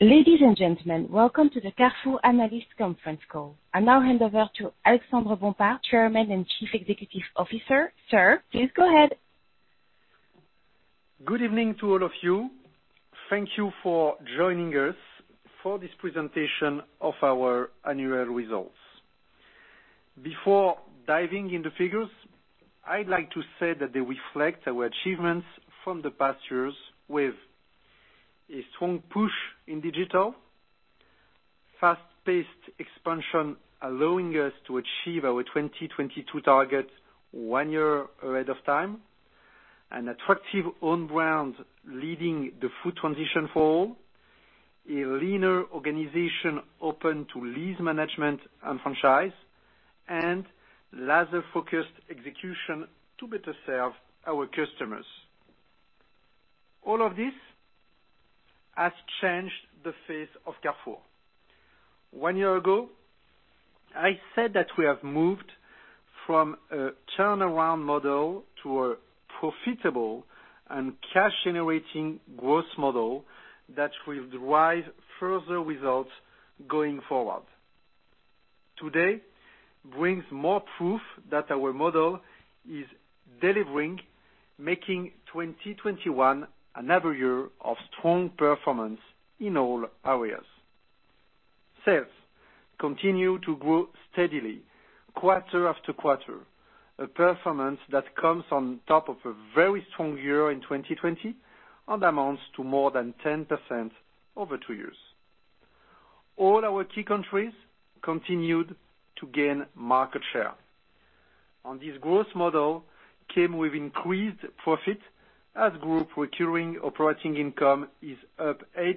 Ladies and gentlemen, welcome to the Carrefour Analyst Conference Call. I now hand over to Alexandre Bompard, Chairman and Chief Executive Officer. Sir, please go ahead. Good evening to all of you. Thank you for joining us for this presentation of our annual results. Before diving into figures, I'd like to say that they reflect our achievements from the past years with a strong push in digital, fast-paced expansion, allowing us to achieve our 2022 targets one year ahead of time, an attractive own brand leading the food transition for all, a leaner organization open to lease management and franchise, and laser-focused execution to better serve our customers. All of this has changed the face of Carrefour. One year ago, I said that we have moved from a turnaround model to a profitable and cash-generating growth model that will drive further results going forward. Today brings more proof that our model is delivering, making 2021 another year of strong performance in all areas. Sales continue to grow steadily quarter after quarter, a performance that comes on top of a very strong year in 2020 and amounts to more than 10% over two years. All our key countries continued to gain market share. This growth model came with increased profit as group recurring operating income is up 8%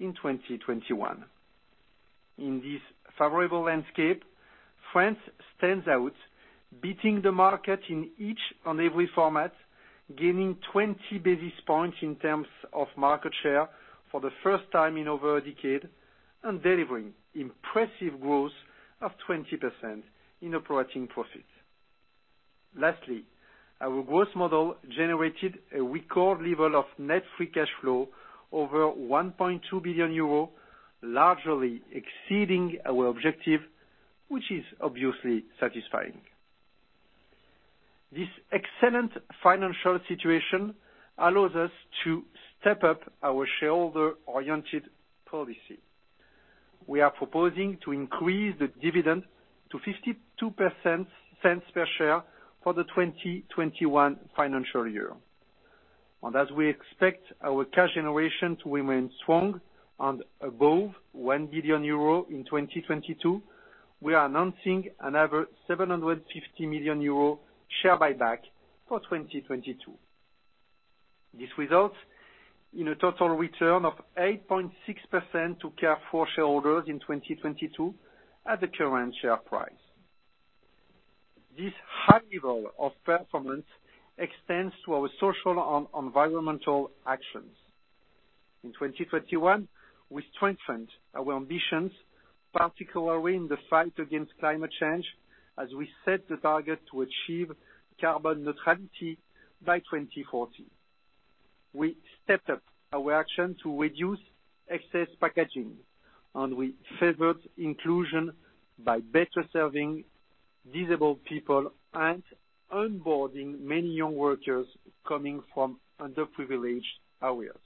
in 2021. In this favorable landscape, France stands out, beating the market in each and every format, gaining 20 basis points in terms of market share for the first time in over a decade, and delivering impressive growth of 20% in operating profit. Lastly, our growth model generated a record level of net free cash flow over 1.2 billion euro, largely exceeding our objective, which is obviously satisfying. This excellent financial situation allows us to step up our shareholder-oriented policy. We are proposing to increase the dividend to 0.52 per share for the 2021 financial year. As we expect our cash generation to remain strong and above 1 billion euro in 2022, we are announcing another 750 million euro share buyback for 2022. This results in a total return of 8.6% to Carrefour shareholders in 2022 at the current share price. This high level of performance extends to our social and environmental actions. In 2021, we strengthened our ambitions, particularly in the fight against climate change, as we set the target to achieve carbon neutrality by 2040. We stepped up our action to reduce excess packaging, and we favored inclusion by better serving disabled people and onboarding many young workers coming from underprivileged areas.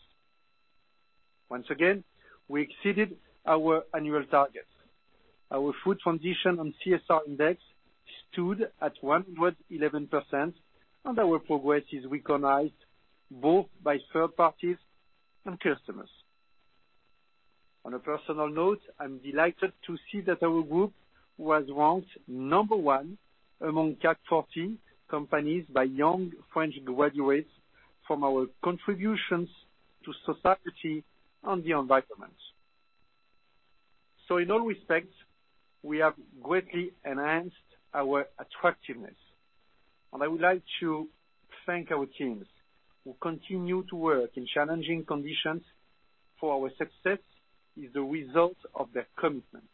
Once again, we exceeded our annual targets. Our food transition and CSR index stood at 111, and our progress is recognized both by third parties and customers. On a personal note, I'm delighted to see that our group was ranked number 1 among CAC 40 companies by young French graduates from our contributions to society and the environment. In all respects, we have greatly enhanced our attractiveness, and I would like to thank our teams who continue to work in challenging conditions, for our success is the result of their commitment.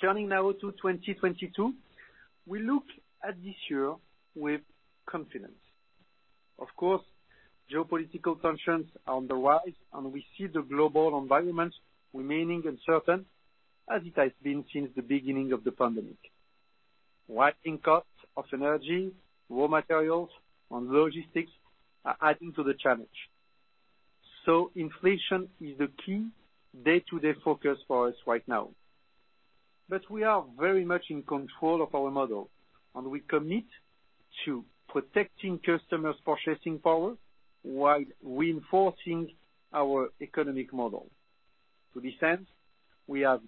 Turning now to 2022, we look at this year with confidence. Of course, geopolitical tensions are on the rise, and we see the global environment remaining uncertain as it has been since the beginning of the pandemic. Rising costs of energy, raw materials and logistics are adding to the challenge. Inflation is a key day-to-day focus for us right now. We are very much in control of our model, and we commit to protecting customers' purchasing power while reinforcing our economic model. To this end, we have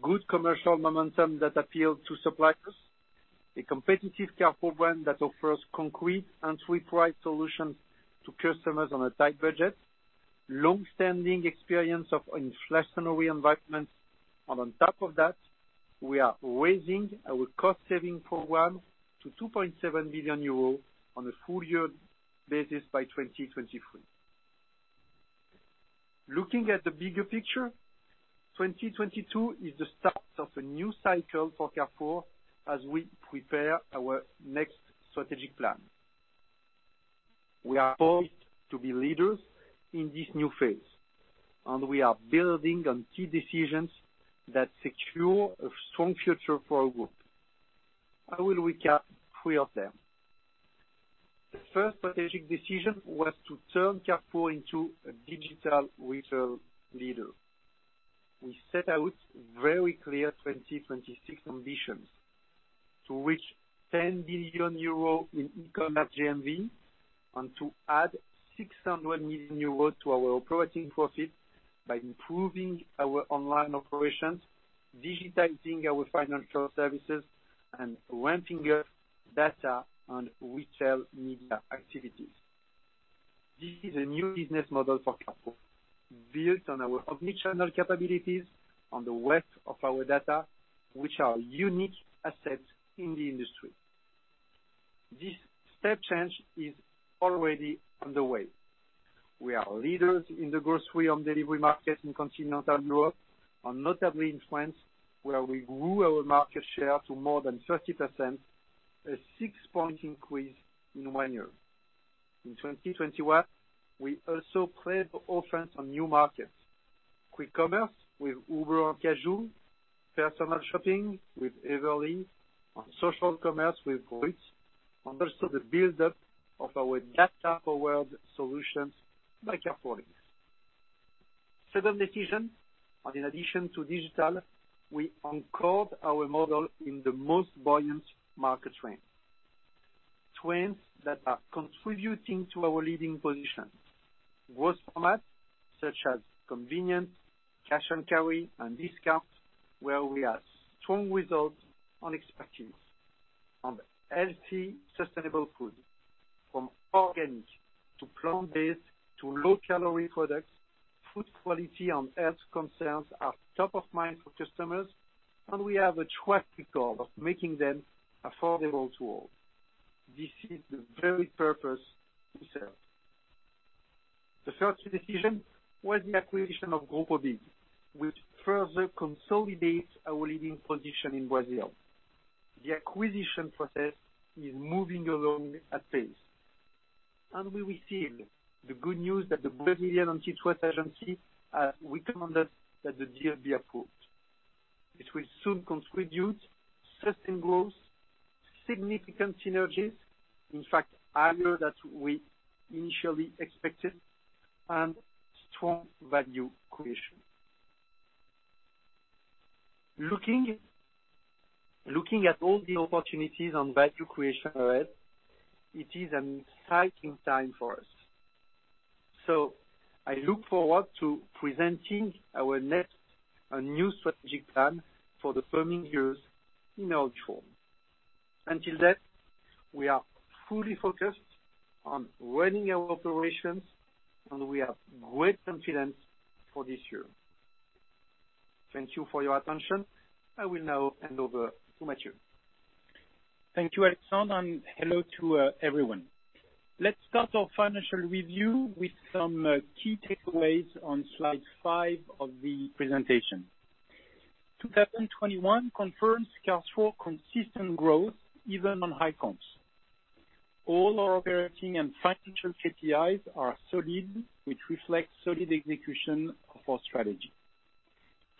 good commercial momentum that appeal to suppliers, a competitive Carrefour program that offers concrete and suite price solutions to customers on a tight budget, long-standing experience of inflationary environments. On top of that, we are raising our cost-saving program to 2.7 billion euros on a full-year basis by 2023. Looking at the bigger picture, 2022 is the start of a new cycle for Carrefour as we prepare our next strategic plan. We are poised to be leaders in this new phase, and we are building on key decisions that secure a strong future for our group. I will recap three of them. The first strategic decision was to turn Carrefour into a digital retail leader. We set out very clear 2026 ambitions to reach 10 billion euros in e-commerce GMV and to add 600 million euros to our operating profit by improving our online operations, digitizing our financial services, and ramping up data and retail media activities. This is a new business model for Carrefour, built on our omni-channel capabilities on the wealth of our data, which are unique assets in the industry. This step change is already underway. We are leaders in the grocery home delivery market in continental Europe and notably in France, where we grew our market share to more than 30%, a 6-point increase in one year. In 2021, we also played offense on new markets, quick commerce with Uber and Cajoo, personal shopping with Everli, on social commerce with Brut, and also the buildup of our data-forward solutions like Carrefour Links. Second decision, in addition to digital, we encode our model in the most buoyant market trends. Trends that are contributing to our leading position. Growth formats such as convenience, cash and carry, and discount, where we have strong results and expertise on healthy, sustainable food, from organic, to plant-based, to low-calorie products, food quality and health concerns are top of mind for customers, and we have a track record of making them affordable to all. This is the very purpose we serve. The third decision was the acquisition of Grupo BIG, which further consolidates our leading position in Brazil. The acquisition process is moving along at pace. We received the good news that the Brazilian antitrust agency recommended that the deal be approved. This will soon contribute sustained growth, significant synergies, in fact, higher than we initially expected, and strong value creation. Looking at all the opportunities on value creation ahead, it is an exciting time for us. I look forward to presenting our next and new strategic plan for the coming years in our own time. Until then, we are fully focused on running our operations, and we have great confidence for this year. Thank you for your attention. I will now hand over to Matthiew. Thank you, Alexandre, and hello to everyone. Let's start our financial review with some key takeaways on slide five of the presentation. 2021 confirms Carrefour's consistent growth even on high comps. All our operating and financial KPIs are solid, which reflects solid execution of our strategy.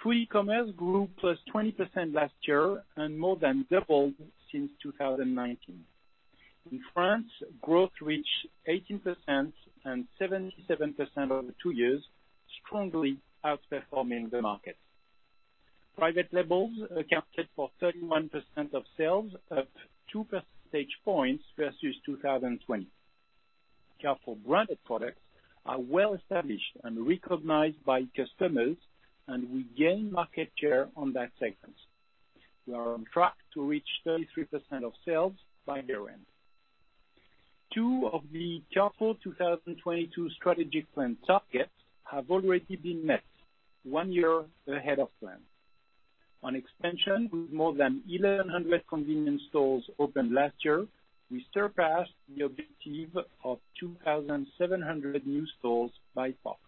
Food e-commerce grew +20% last year and more than doubled since 2019. In France, growth reached 18% and 77% over two years, strongly outperforming the market. Private labels accounted for 31% of sales, up 2 percentage points versus 2020. Carrefour branded products are well-established and recognized by customers, and we gain market share on that segment. We are on track to reach 33% of sales by year-end. Two of the Carrefour 2022 strategic plan targets have already been met one year ahead of plan. On expansion, with more than 1,100 convenience stores opened last year, we surpassed the objective of 2,700 new stores by far.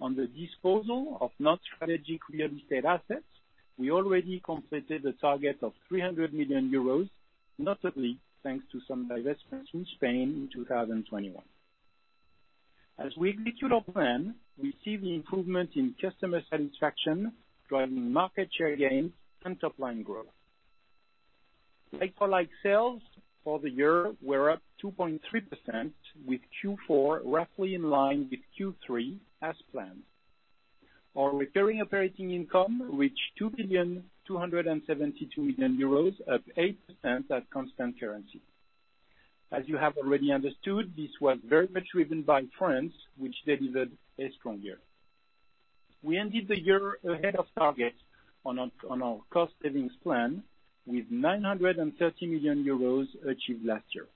On the disposal of non-strategic real estate assets, we already completed the target of 300 million euros, notably thanks to some divestments in Spain in 2021. As we execute our plan, we see the improvement in customer satisfaction, driving market share gains and top-line growth. Like-for-like sales for the year were up 2.3% with Q4 roughly in line with Q3 as planned. Our recurring operating income reached 2.272 billion euros up 8% at constant currency. As you have already understood, this was very much driven by France, which delivered a strong year. We ended the year ahead of target on our cost savings plan with 930 million euros achieved last year.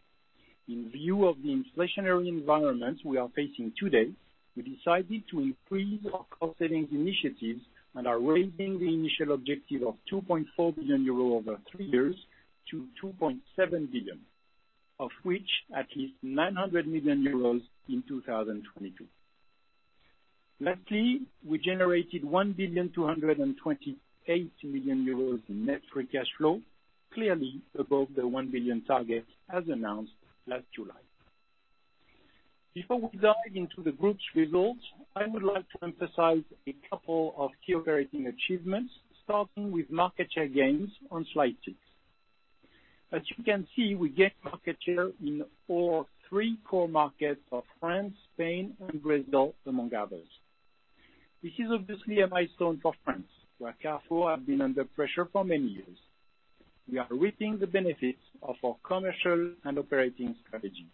In view of the inflationary environment we are facing today, we decided to increase our cost savings initiatives and are raising the initial objective of 2.4 billion euro over three years to 2.7 billion. Of which at least 900 million euros in 2022. Lastly, we generated 1,228 million euros in net free cash flow, clearly above the 1 billion target, as announced last July. Before we dive into the group's results, I would like to emphasize a couple of key operating achievements, starting with market share gains on slide 6. As you can see, we gained market share in all three core markets of France, Spain, and Brazil, among others. This is obviously a milestone for France, where Carrefour have been under pressure for many years. We are reaping the benefits of our commercial and operating strategy.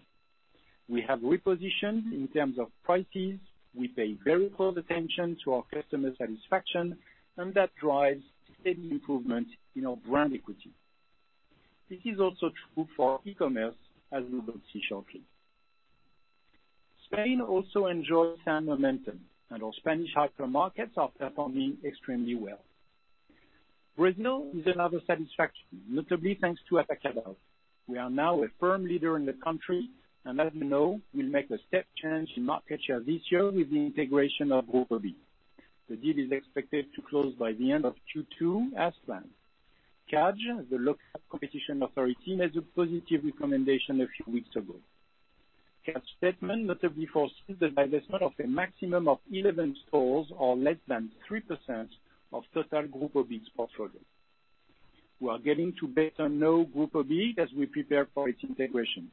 We have repositioned in terms of prices, we pay very close attention to our customer satisfaction, and that drives steady improvement in our brand equity. This is also true for e-commerce, as we will see shortly. Spain also enjoys sound momentum, and our Spanish hypermarkets are performing extremely well. Brazil is another satisfaction, notably thanks to Atacadão. We are now a firm leader in the country, and as you know, we'll make a step change in market share this year with the integration of Grupo BIG. The deal is expected to close by the end of Q2 as planned. CADE, the local competition authority, made a positive recommendation a few weeks ago. CADE's statement notably foresees the divestment of a maximum of 11 stores or less than 3% of total Grupo BIG's portfolio. We are getting to better know Grupo BIG as we prepare for its integration.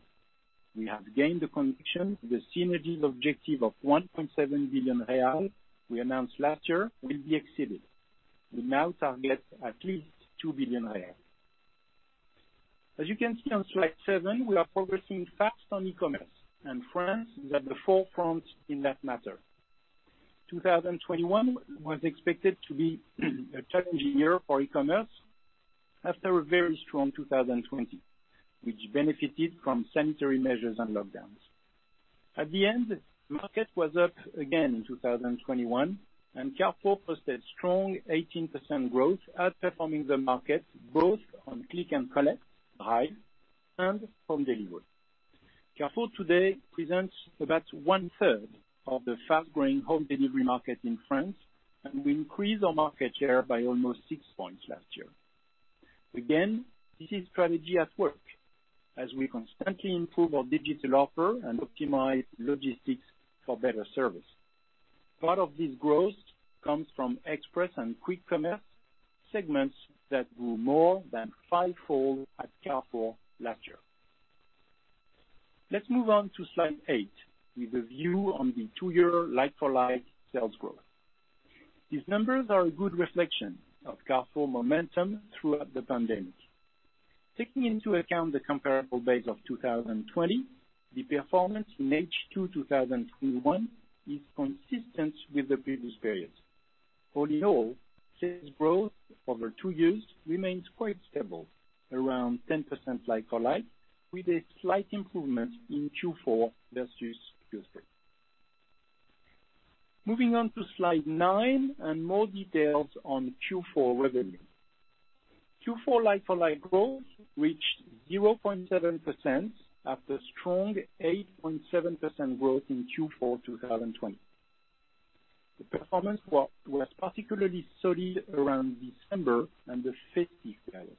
We have gained the conviction the synergies objective of 1.7 billion real we announced last year will be exceeded. We now target at least 2 billion real. As you can see on slide 7, we are progressing fast on e-commerce, and France is at the forefront in that matter. 2021 was expected to be a challenging year for e-commerce after a very strong 2020, which benefited from sanitary measures and lockdowns. At the end, market was up again in 2021, and Carrefour posted strong 18% growth, outperforming the market both on click and collect, drive, and home delivery. Carrefour today presents about 1/3 of the fast-growing home delivery market in France, and we increased our market share by almost 6 points last year. Again, this is strategy at work as we constantly improve our digital offer and optimize logistics for better service. Part of this growth comes from express and quick commerce, segments that grew more than five-fold at Carrefour last year. Let's move on to slide 8 with a view on the two-year like-for-like sales growth. These numbers are a good reflection of Carrefour momentum throughout the pandemic. Taking into account the comparable base of 2020, the performance in H2 2021 is consistent with the previous periods. All in all, sales growth over two years remains quite stable, around 10% like-for-like, with a slight improvement in Q4 versus Q3. Moving on to slide 9 and more details on Q4 revenue. Q4 like-for-like growth reached 0.7% after strong 8.7% growth in Q4 2020. The performance was particularly solid around December and the festive period.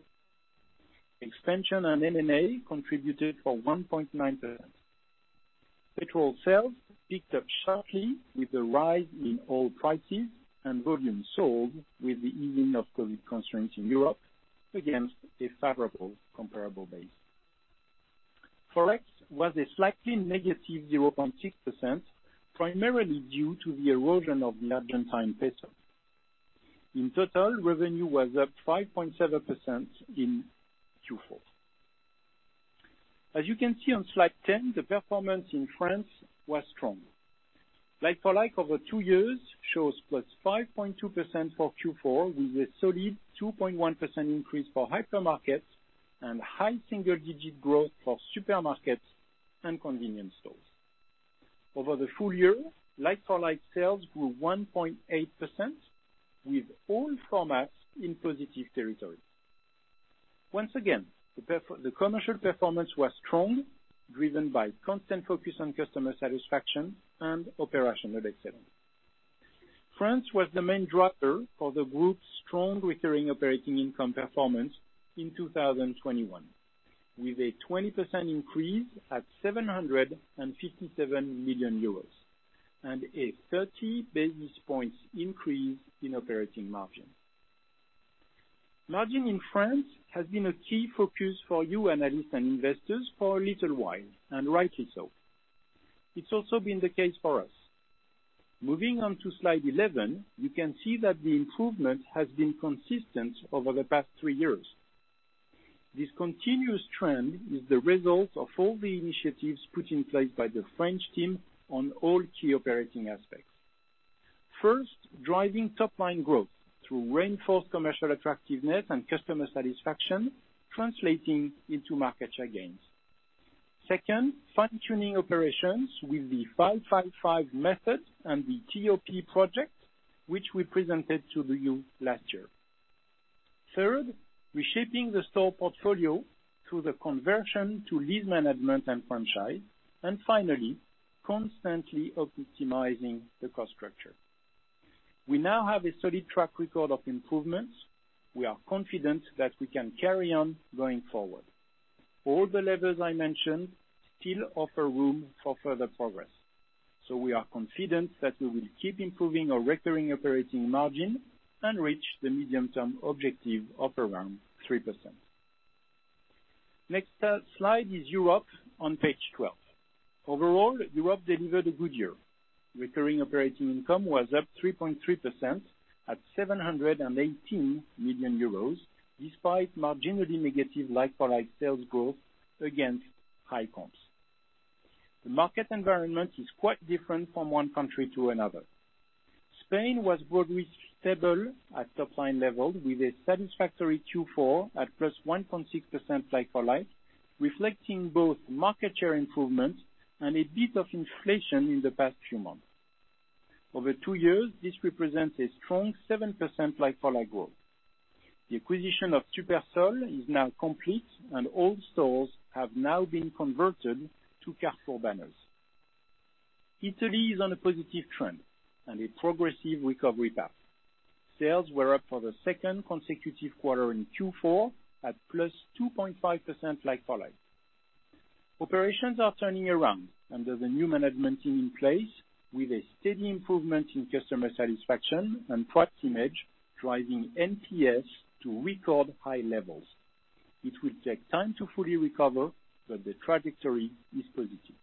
Expansion and M&A contributed to 1.9%. Petrol sales picked up sharply with the rise in oil prices and volumes sold with the easing of COVID constraints in Europe against a favorable comparable base. Forex was a slightly negative 0.6%, primarily due to the erosion of the Argentine peso. In total, revenue was up 5.7% in Q4. As you can see on slide 10, the performance in France was strong. Like-for-like over two years shows +5.2% for Q4, with a solid 2.1% increase for hypermarkets and high single-digit growth for supermarkets and convenience stores. Over the full year, like-for-like sales grew 1.8% with all formats in positive territory. Once again, the commercial performance was strong, driven by constant focus on customer satisfaction and operational excellence. France was the main driver for the group's strong recurring operating income performance in 2021, with a 20% increase at 757 million euros and a 30 basis points increase in operating margin. Margin in France has been a key focus for you analysts and investors for a little while, and rightly so. It's also been the case for us. Moving on to slide 11, you can see that the improvement has been consistent over the past three years. This continuous trend is the result of all the initiatives put in place by the French team on all key operating aspects. First, driving top-line growth through reinforced commercial attractiveness and customer satisfaction, translating into market share gains. Second, fine-tuning operations with the 5-5-5 method and the TOP project, which we presented to you last year. Third, reshaping the store portfolio through the conversion to lease management and franchise. Finally, constantly optimizing the cost structure. We now have a solid track record of improvements. We are confident that we can carry on going forward. All the levers I mentioned still offer room for further progress, so we are confident that we will keep improving our recurring operating margin and reach the medium-term objective of around 3%. Next, slide is Europe on page 12. Overall, Europe delivered a good year. Recurring operating income was up 3.3% at 718 million euros, despite marginally negative like-for-like sales growth against high comps. The market environment is quite different from one country to another. Spain was broadly stable at top line level, with a satisfactory Q4 at +1.6% like-for-like, reflecting both market share improvement and a bit of inflation in the past few months. Over two years, this represents a strong 7% like-for-like growth. The acquisition of Supersol is now complete, and all stores have now been converted to Carrefour banners. Italy is on a positive trend and a progressive recovery path. Sales were up for the second consecutive quarter in Q4 at +2.5% like-for-like. Operations are turning around under the new management team in place, with a steady improvement in customer satisfaction and price image, driving NPS to record high levels. It will take time to fully recover, but the trajectory is positive.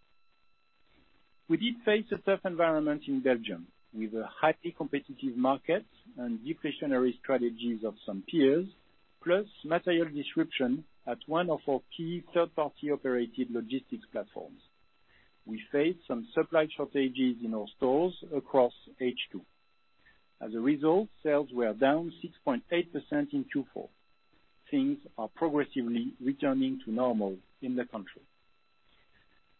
We did face a tough environment in Belgium, with a highly competitive market and deflationary strategies of some peers, plus material disruption at one of our key third-party operated logistics platforms. We faced some supply shortages in our stores across H2. As a result, sales were down 6.8% in Q4. Things are progressively returning to normal in the country.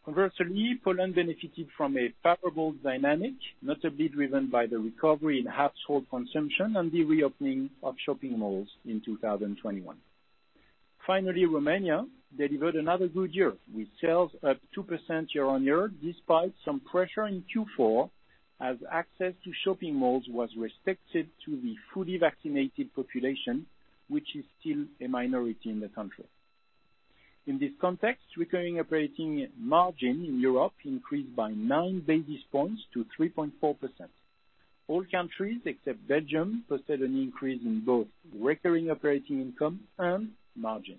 Conversely, Poland benefited from a favorable dynamic, notably driven by the recovery in household consumption and the reopening of shopping malls in 2021. Finally, Romania delivered another good year, with sales up 2% year-on-year, despite some pressure in Q4 as access to shopping malls was restricted to the fully vaccinated population, which is still a minority in the country. In this context, recurring operating margin in Europe increased by 9 basis points to 3.4%. All countries, except Belgium, posted an increase in both recurring operating income and margin.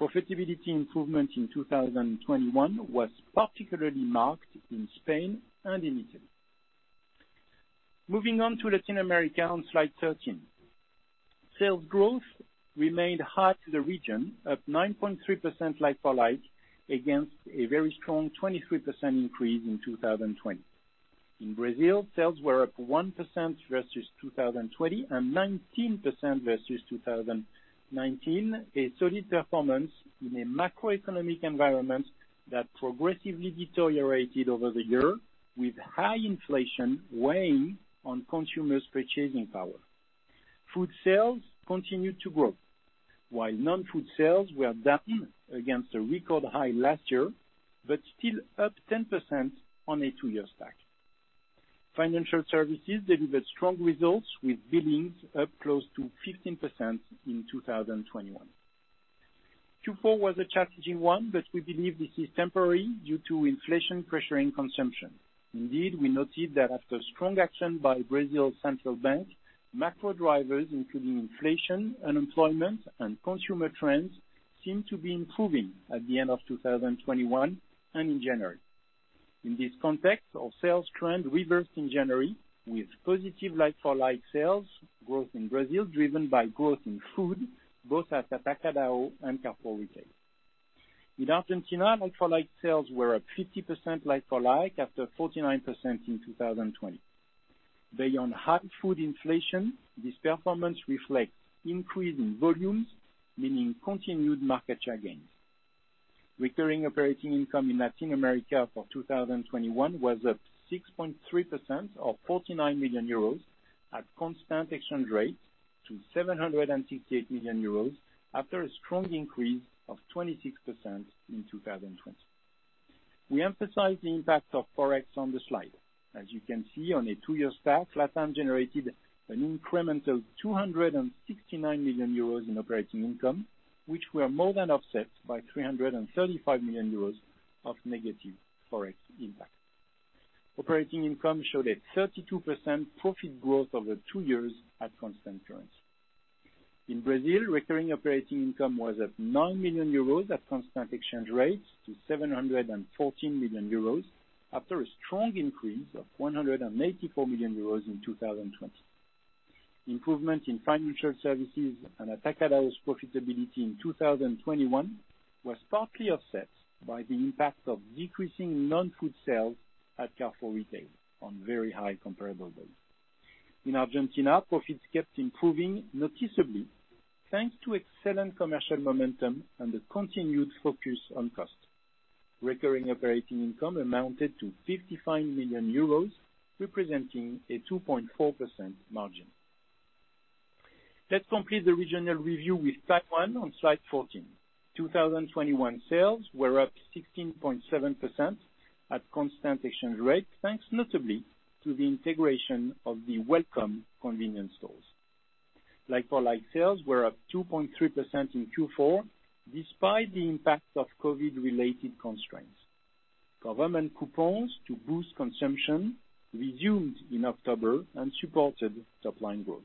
Profitability improvement in 2021 was particularly marked in Spain and in Italy. Moving on to Latin America on slide 13. Sales growth remained high to the region at 9.3% like-for-like, against a very strong 23% increase in 2020. In Brazil, sales were up 1% versus 2020, and 19% versus 2019. A solid performance in a macroeconomic environment that progressively deteriorated over the year, with high inflation weighing on consumers' purchasing power. Food sales continued to grow, while non-food sales were down against a record high last year, but still up 10% on a two-year stack. Financial services delivered strong results, with billings up close to 15% in 2021. Q4 was a challenging one, but we believe this is temporary due to inflation pressuring consumption. Indeed, we noted that after strong action by Brazil's central bank, macro drivers, including inflation, unemployment, and consumer trends, seemed to be improving at the end of 2021 and in January. In this context, our sales trend reversed in January with positive like-for-like sales growth in Brazil, driven by growth in food, both at Atacadão and Carrefour Retail. In Argentina, like-for-like sales were up 50% like-for-like, after 49% in 2020. Beyond high food inflation, this performance reflects increase in volumes, meaning continued market share gains. Recurring operating income in Latin America for 2021 was up 6.3%, or 49 million euros at constant exchange rate to 768 million euros, after a strong increase of 26% in 2020. We emphasize the impact of Forex on the slide. As you can see on a two-year stack, LatAm generated an incremental 269 million euros in operating income, which were more than offset by 335 million euros of negative Forex impact. Operating income showed a 32% profit growth over two years at constant currency. In Brazil, recurring operating income was at 9 million euros at constant exchange rates to 714 million euros, after a strong increase of 184 million euros in 2020. Improvement in financial services and Atacadão's profitability in 2021 was partly offset by the impact of decreasing non-food sales at Carrefour Retail on very high comparable base. In Argentina, profits kept improving noticeably, thanks to excellent commercial momentum and a continued focus on cost. Recurring operating income amounted to 55 million euros, representing a 2.4% margin. Let's complete the regional review with Taiwan on slide 14. 2021 sales were up 16.7% at constant exchange rate, thanks notably to the integration of the Wellcome convenience stores. like-for-like sales were up 2.3% in Q4, despite the impact of COVID-related constraints. Government coupons to boost consumption resumed in October and supported top-line growth.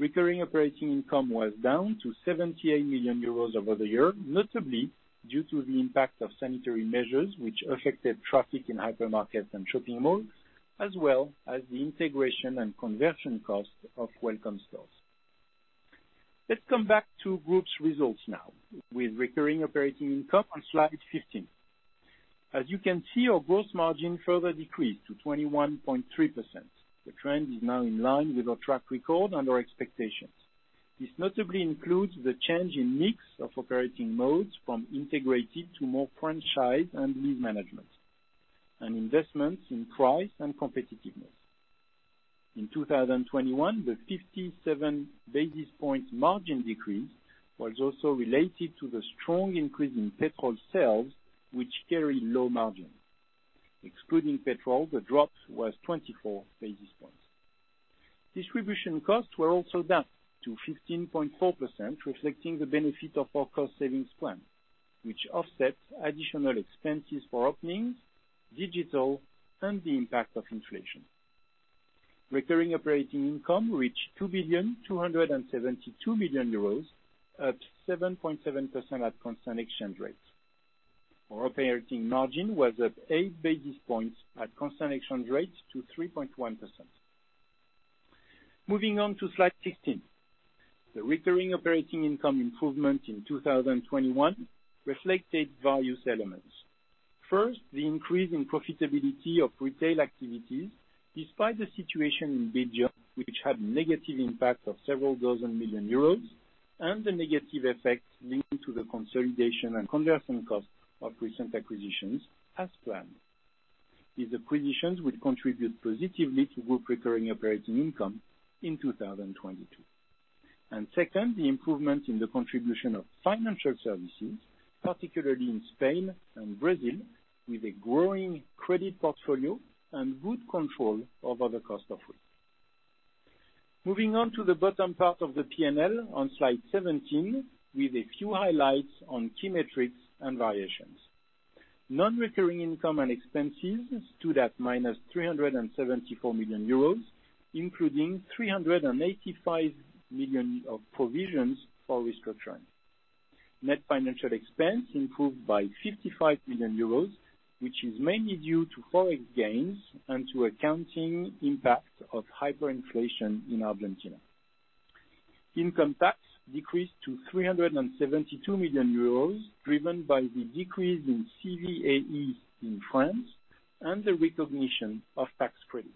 Recurring operating income was down to 78 million euros over the year, notably due to the impact of sanitary measures which affected traffic in hypermarkets and shopping malls, as well as the integration and conversion cost of Wellcome stores. Let's come back to Group's results now with recurring operating income on slide 15. As you can see, our gross margin further decreased to 21.3%. The trend is now in line with our track record and our expectations. This notably includes the change in mix of operating modes from integrated to more franchise and lease management, and investments in price and competitiveness. In 2021, the 57 basis points margin decrease was also related to the strong increase in petrol sales, which carry low margin. Excluding petrol, the drop was 24 basis points. Distribution costs were also down to 15.4%, reflecting the benefit of our cost savings plan, which offsets additional expenses for openings, digital, and the impact of inflation. Recurring operating income reached 2,272 million euros, 7.7% at constant exchange rates. Our operating margin was 8 basis points at constant exchange rates to 3.1%. Moving on to slide 16. The recurring operating income improvement in 2021 reflected various elements. First, the increase in profitability of retail activities despite the situation in Belgium, which had negative impact of several dozen million EUR, and the negative effects linked to the consolidation and conversion cost of recent acquisitions as planned. These acquisitions will contribute positively to Group recurring operating income in 2022. Second, the improvement in the contribution of financial services, particularly in Spain and Brazil, with a growing credit portfolio and good control over the cost of risk. Moving on to the bottom part of the P&L on slide 17 with a few highlights on key metrics and variations. Non-recurring income and expenses stood at -374 million euros, including 385 million of provisions for restructuring. Net financial expense improved by 55 million euros, which is mainly due to foreign gains and to accounting impact of hyperinflation in Argentina. Income tax decreased to 372 million euros, driven by the decrease in CVAE in France and the recognition of tax credits.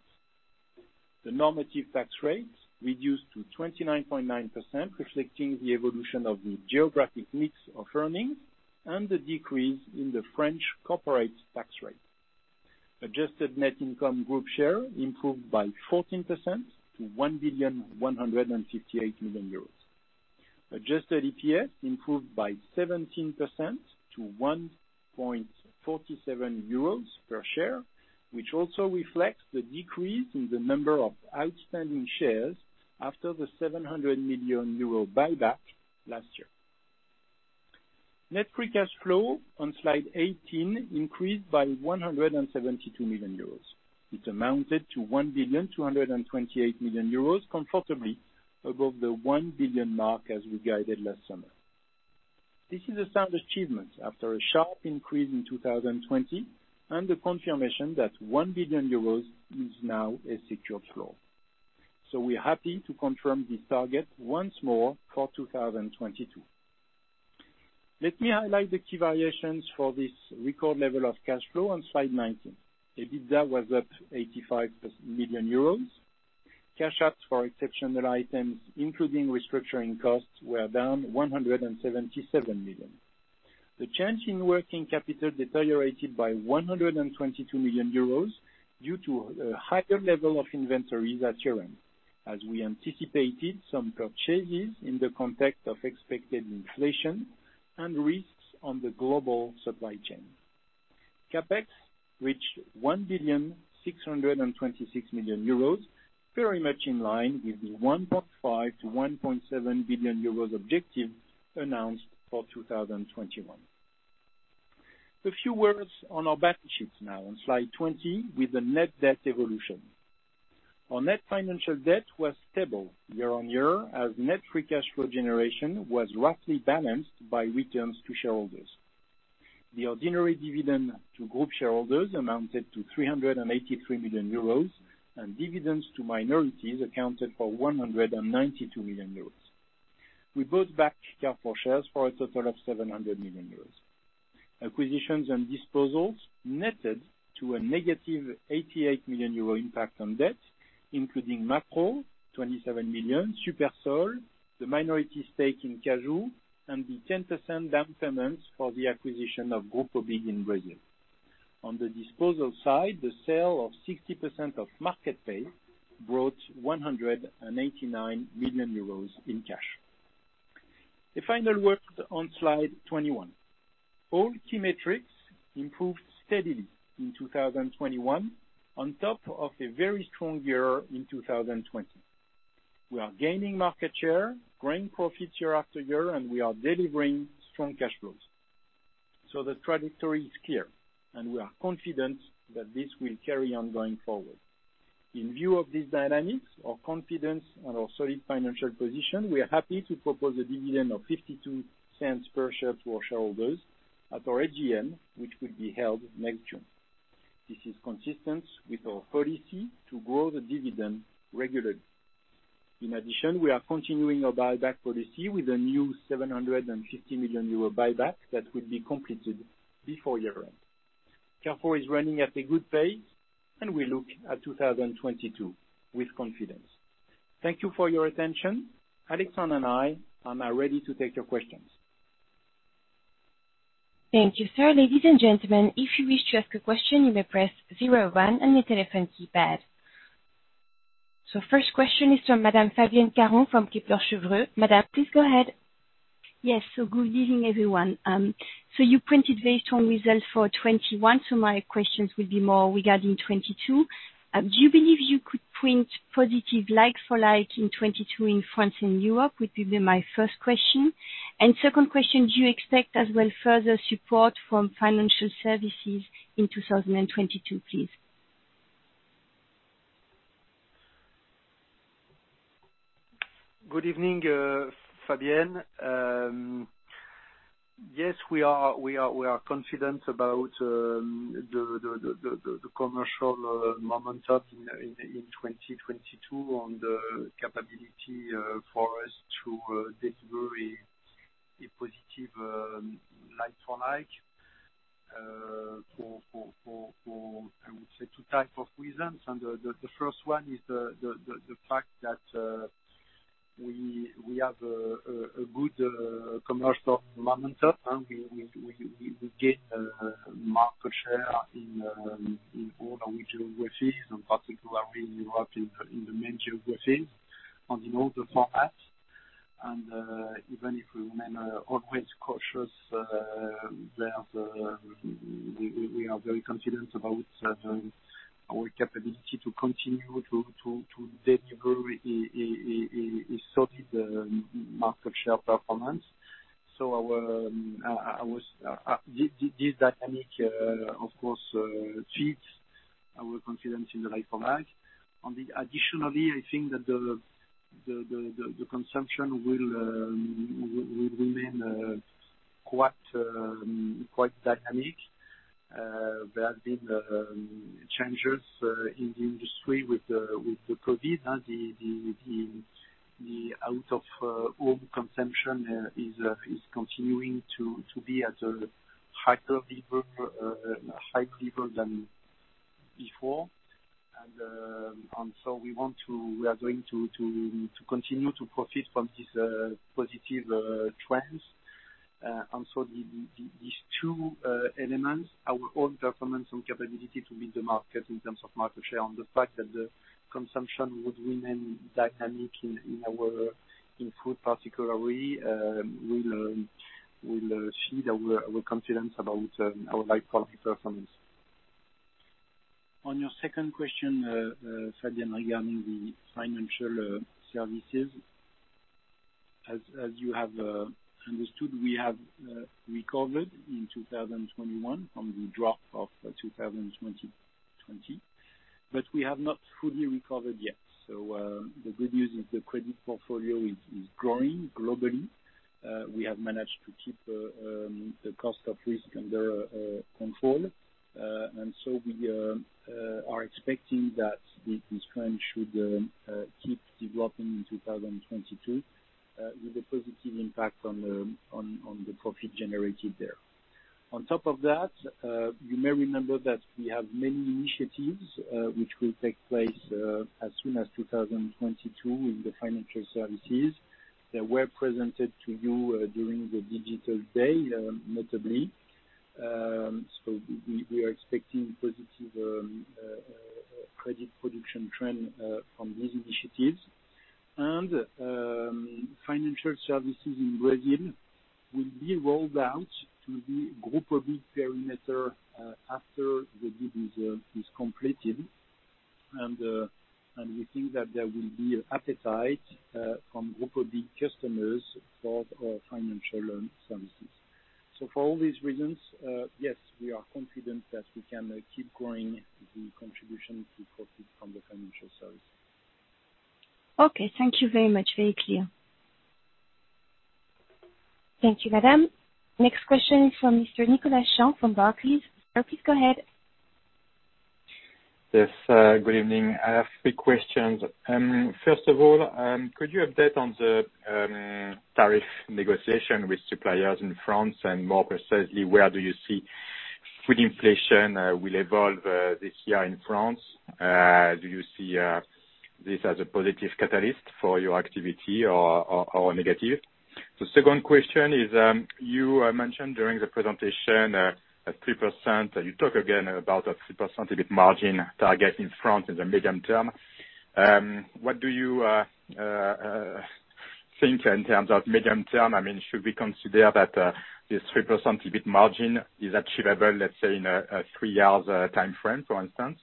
The normative tax rates reduced to 29.9%, reflecting the evolution of the geographic mix of earnings and the decrease in the French corporate tax rate. Adjusted net income group share improved by 14% to 1,158 million euros. Adjusted EPS improved by 17% to 1.47 euros per share, which also reflects the decrease in the number of outstanding shares after the 700 million euro buyback last year. Net free cash flow on slide 18 increased by 172 million euros. It amounted to 1,228 million euros, comfortably above the 1 billion mark as we guided last summer. This is a sound achievement after a sharp increase in 2020, and the confirmation that 1 billion euros is now a secured floor. We are happy to confirm this target once more for 2022. Let me highlight the key variations for this record level of cash flow on slide 19. EBITDA was up 85 million euros. Cash outs for exceptional items, including restructuring costs, were down 177 million. The change in working capital deteriorated by 122 million euros due to a higher level of inventories at year-end, as we anticipated some purchases in the context of expected inflation and risks on the global supply chain. CapEx reached 1,626 million euros, very much in line with the 1.5 billion-1.7 billion euros objective announced for 2021. A few words on our balance sheets now on slide 20 with the net debt evolution. Our net financial debt was stable year on year, as net free cash flow generation was roughly balanced by returns to shareholders. The ordinary dividend to group shareholders amounted to 383 million euros, and dividends to minorities accounted for 192 million euros. We bought back Carrefour shares for a total of 700 million euros. Acquisitions and disposals netted to a -88 million euro impact on debt, including Makro, 27 million, Supersol, the minority stake in Cajoo, and the 10% down payment for the acquisition of Grupo BIG in Brazil. On the disposal side, the sale of 60% of Market Pay brought 189 million euros in cash. The final word on slide 21. All key metrics improved steadily in 2021 on top of a very strong year in 2020. We are gaining market share, growing profits year after year, and we are delivering strong cash flows. The trajectory is clear, and we are confident that this will carry on going forward. In view of these dynamics, our confidence in our solid financial position, we are happy to propose a dividend of 0.52 per share to our shareholders at our AGM, which will be held next June. This is consistent with our policy to grow the dividend regularly. In addition, we are continuing our buyback policy with a new 750 million euro buyback that will be completed before year-end. Carrefour is running at a good pace, and we look at 2022 with confidence. Thank you for your attention. Alexandre and I are now ready to take your questions. Thank you, sir. Ladies and gentlemen, if you wish to ask a question, you may press zero one on the telephone keypad. First question is from Madame Fabienne Caron from Kepler Cheuvreux. Madame, please go ahead. Yes. Good evening, everyone. You printed very strong results for 2021, so my questions will be more regarding 2022. Do you believe you could print positive like-for-like in 2022 in France and Europe, would be my first question. Second question, do you expect as well further support from financial services in 2022, please? Good evening, Fabienne. Yes, we are confident about the commercial momentum in 2022 on the capability for us to deliver a positive like-for-like for, I would say, two type of reasons. The first one is the fact that we have a good commercial momentum. We gain market share in all our geographies, in particular in Europe, in the main geographies and in all the formats. Even if we remain always cautious, we are very confident about our capability to continue to deliver a solid market share performance. This dynamic of course treats our confidence in the like-for-like. Additionally, I think that the consumption will remain quite dynamic. There have been changes in the industry with the COVID and the out-of-home consumption is continuing to be at a higher level than before. We are going to continue to profit from these positive trends. These two elements, our own performance and capability to win the market in terms of market share and the fact that the consumption would remain dynamic in food particularly, will shield our confidence about our like-for-like performance. On your second question, Fabienne, regarding the financial services, as you have understood, we have recovered in 2021 from the drop of 2020, but we have not fully recovered yet. The good news is the credit portfolio is growing globally. We have managed to keep the cost of risk under control. We are expecting that this trend should keep developing in 2022, with a positive impact on the profit generated there. On top of that, you may remember that we have many initiatives, which will take place, as soon as 2022 in the financial services that were presented to you, during the Digital Day, notably. We are expecting positive credit production trend from these initiatives. Financial services in Brazil will be rolled out to the Grupo BIG perimeter after the due diligence is completed. We think that there will be appetite from Grupo BIG customers for our financial services. For all these reasons, yes, we are confident that we can keep growing the contribution to profit from the financial service. Okay. Thank you very much. Very clear. Thank you, Madame. Next question is from Mr. Nicolas Champ from Barclays. Sir, please go ahead. Yes, good evening. I have three questions. First of all, could you update on the tariff negotiation with suppliers in France? And more precisely, where do you see food inflation will evolve this year in France? Do you see this as a positive catalyst for your activity or negative? The second question is, you mentioned during the presentation at 3%, you talk again about a 3% EBIT margin target in France in the medium term. What do you think in terms of medium term? I mean, should we consider that this 3% EBIT margin is achievable, let's say, in a three years timeframe, for instance?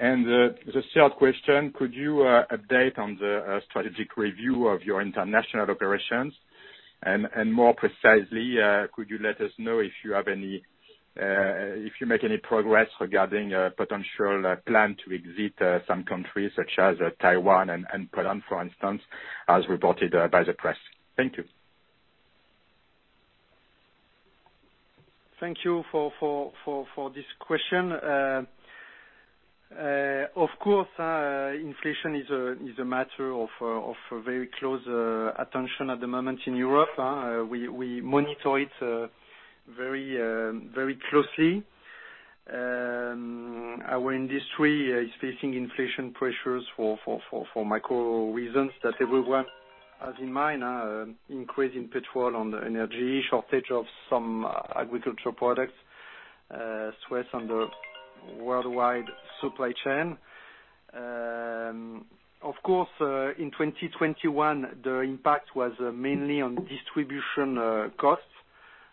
The third question, could you update on the strategic review of your international operations? More precisely, could you let us know if you make any progress regarding a potential plan to exit some countries such as Taiwan and Poland, for instance, as reported by the press? Thank you. Thank you for this question. Of course, inflation is a matter of a very close attention at the moment in Europe. We monitor it very closely. Our industry is facing inflation pressures for micro reasons that everyone has in mind, increase in petrol and energy, shortage of some agricultural products, stress on the worldwide supply chain. Of course, in 2021, the impact was mainly on distribution costs,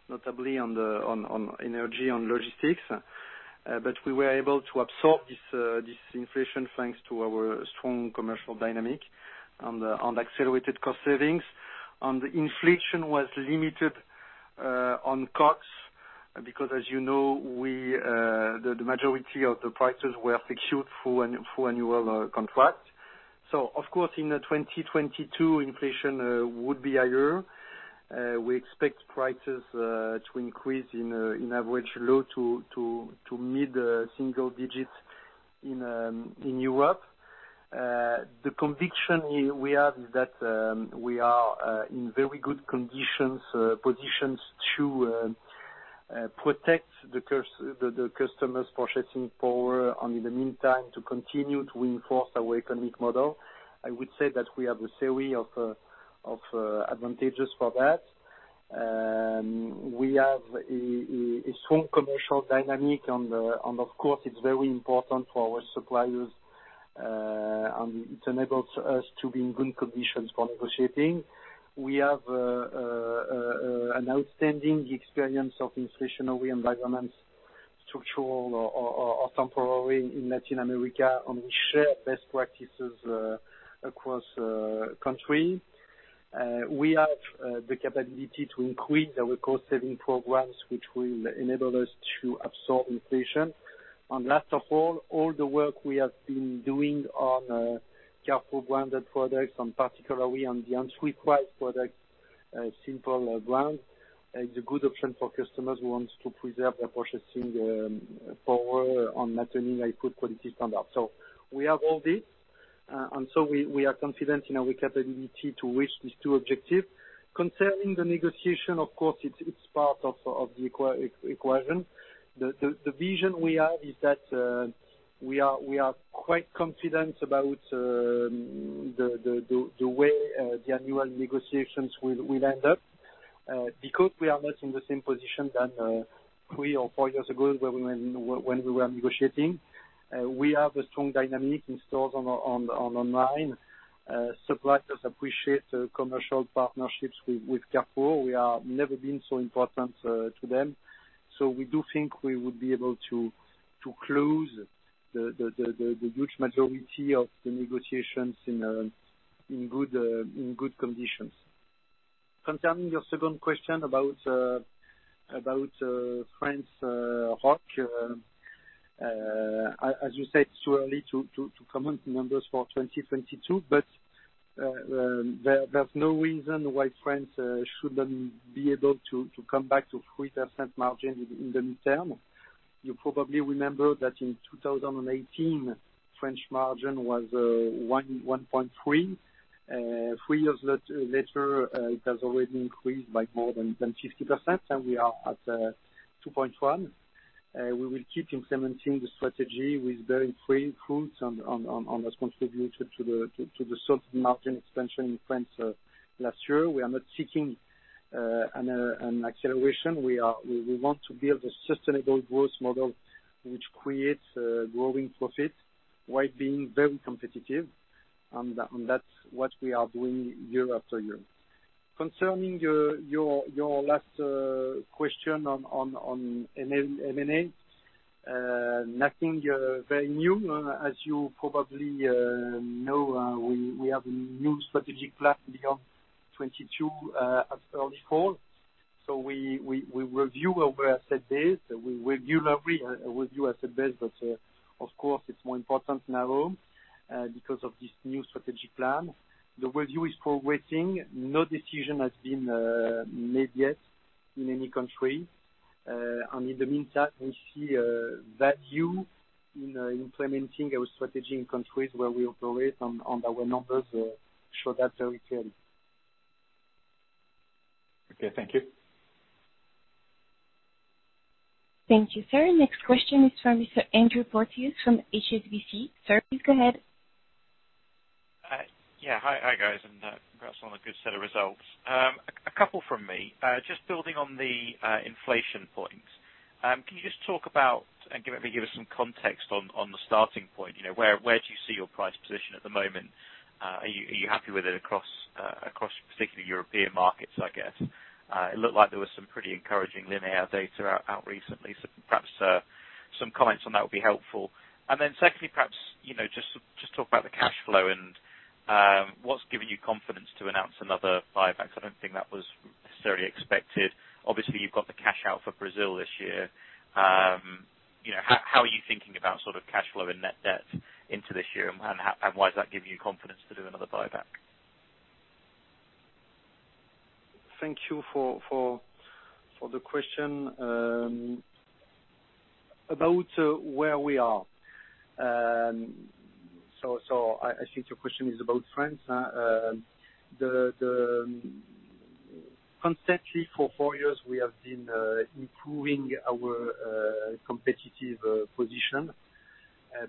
notably on energy, on logistics. We were able to absorb this inflation, thanks to our strong commercial dynamic and accelerated cost savings. The inflation was limited on costs because as you know, the majority of the prices were secured through annual contract. Of course, in 2022 inflation would be higher. We expect prices to increase on average low- to mid-single digits in Europe. The conviction we have is that we are in very good position to protect the customers' purchasing power, and in the meantime, to continue to enforce our economic model. I would say that we have a series of advantages for that. We have a strong commercial dynamic, and of course, it's very important for our suppliers, and it enables us to be in good conditions for negotiating. We have an outstanding experience of inflationary environments, structural or temporary in Latin America, and we share best practices across country. We have the capability to increase our cost-saving programs, which will enable us to absorb inflation. Last of all the work we have been doing on Carrefour branded products and particularly on the entry-price products, Simple brands, it's a good option for customers who wants to preserve their purchasing power on maintaining a good quality standard. We have all this, and we are confident in our capability to reach these two objectives. Concerning the negotiation, of course, it's part of the equation. The vision we have is that we are quite confident about the way the annual negotiations will end up because we are not in the same position than three or four years ago when we were negotiating. We have a strong dynamic in stores and online. Suppliers appreciate the commercial partnerships with Carrefour. We've never been so important to them. We do think we would be able to close the huge majority of the negotiations in good conditions. Concerning your second question about France, as you said, it's too early to comment numbers for 2022, but there's no reason why France shouldn't be able to come back to 3% margin in the midterm. You probably remember that in 2018, French margin was 1.3%. Three years later, it has already increased by more than 50%, and we are at 2.1%. We will keep implementing the strategy with very fruitful on what's contributed to the solid margin expansion in France last year. We are not seeking an acceleration. We want to build a sustainable growth model which creates growing profit while being very competitive. That's what we are doing year after year. Concerning your last question on M&A, nothing very new. As you probably know, we have a new strategic plan beyond 2022, as early fall. We review our asset base. We review every asset base, but of course, it's more important now because of this new strategic plan. The review is progressing. No decision has been made yet in any country. In the meantime, we see value in implementing our strategy in countries where we operate, as our numbers show that very clearly. Okay. Thank you. Thank you, sir. Next question is from Mr. Andrew Porteous from HSBC. Sir, please go ahead. Yeah. Hi, guys, and congrats on a good set of results. A couple from me. Just building on the inflation points, can you just talk about and give us some context on the starting point? You know, where do you see your price position at the moment? Are you happy with it across particular European markets, I guess? It looked like there was some pretty encouraging linear data out recently. Perhaps some comments on that would be helpful. Secondly, perhaps, you know, just talk about the cash flow and what's given you confidence to announce another buyback? I don't think that was necessarily expected. Obviously, you've got the cash out for Brazil this year. You know, how are you thinking about sort of cash flow and net debt into this year, and how and why does that give you confidence to do another buyback? Thank you for the question about where we are. I think your question is about France. Constantly for four years, we have been improving our competitive position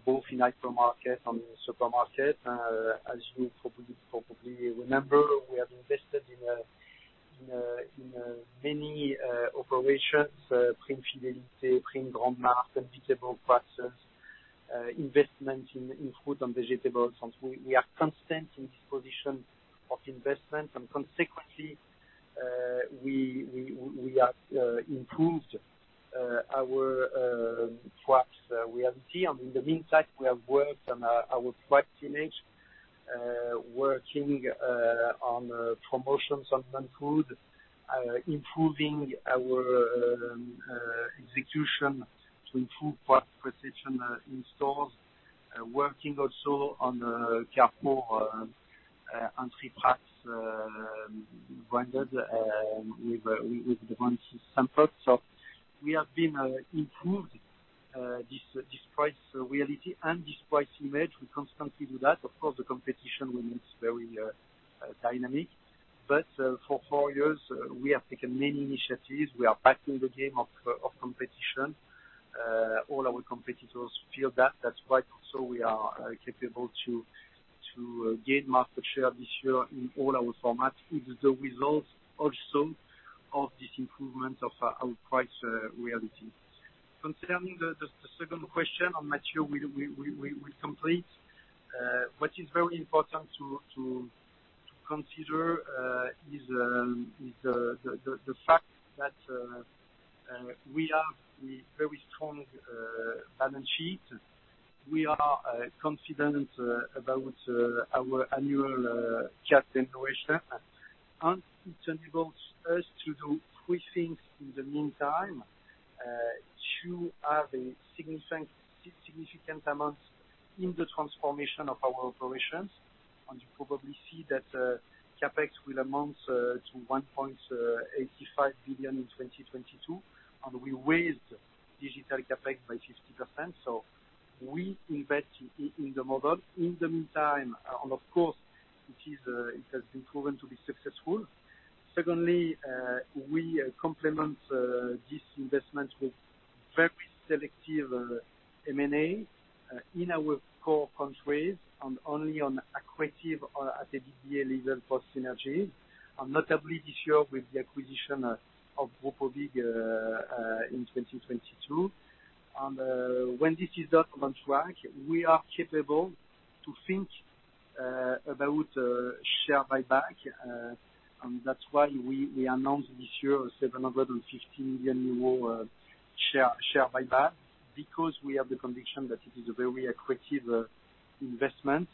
both in hypermarket and in supermarket. As you probably remember, we have invested in many operations, prix fidélité, prix Grand Marché and vegetable processing, investment in fruit and vegetables. We are consistent in this position of investment. Consequently, we have improved our price perception. In the meantime, we have worked on our price image, working on promotions on plant food, improving our execution to improve price precision in stores. We are working also on the Carrefour entry-price branded with brand Simpl. We have improved this price reality and this price image. We constantly do that. Of course, the competition remains very dynamic. For four years, we have taken many initiatives. We are back in the game of competition. All our competitors feel that. That's why also we are capable to gain market share this year in all our formats, with the results also of this improvement of our price reality. Concerning the second question, and Matthieu Malige, we complete what is very important to consider is the fact that we have a very strong balance sheet. We are confident about our annual cash generation. It enables us to do three things in the meantime to have a significant amount in the transformation of our operations. You probably see that CapEx will amount to 1.85 billion in 2022, and we raised digital CapEx by 50%. We invest in the model. In the meantime, and of course it has been proven to be successful. Secondly, we complement this investment with very selective M&A in our core countries and only on accretive EBITDA level for synergy. Notably this year with the acquisition of Grupo BIG in 2022. When this is done on track, we are capable to think about share buyback. That's why we announced this year 750 million euro share buyback, because we have the conviction that it is a very accretive investment.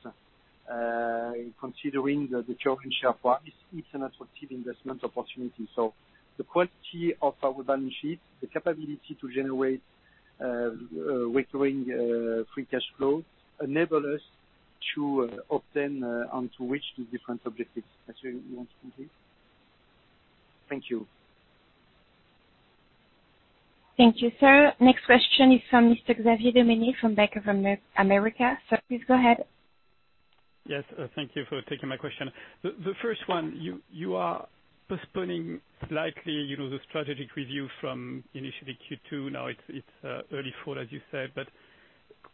Considering the current share price, it's an attractive investment opportunity. The quality of our balance sheet, the capability to generate recurring free cash flow enable us to obtain and to reach these different objectives. Matthew, you want to complete? Thank you. Thank you, sir. Next question is from Mr. Xavier Dumont from Bank of America. Sir, please go ahead. Yes. Thank you for taking my question. The first one, you are postponing slightly, you know, the strategic review from initially Q2, now it's early Q4, as you said.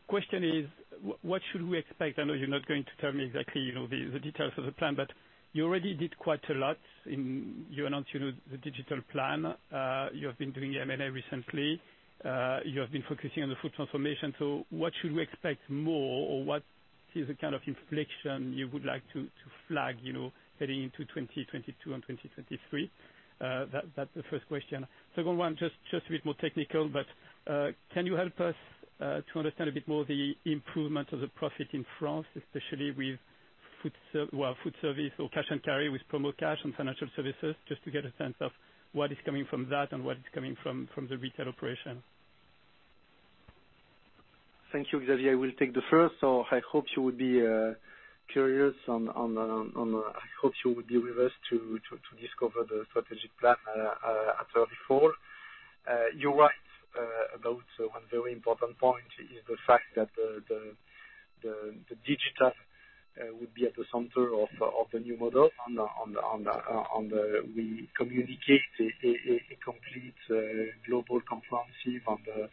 Question is what should we expect? I know you're not going to tell me exactly, you know, the details of the plan, but you already did quite a lot. You announced, you know, the digital plan. You have been doing M&A recently. You have been focusing on the full transformation. So what should we expect more or what is the kind of inflection you would like to flag, you know, heading into 2022 and 2023? That's the first question. Second one, just a bit more technical, but can you help us to understand a bit more the improvement of the profit in France, especially with food service or cash and carry with Promocash and financial services, just to get a sense of what is coming from that and what is coming from the retail operation? Thank you, Xavier. I will take the first. I hope you would be with us to discover the strategic plan at early fall. You're right about one very important point is the fact that the digital would be at the center of the new model. We communicated a complete global comprehensive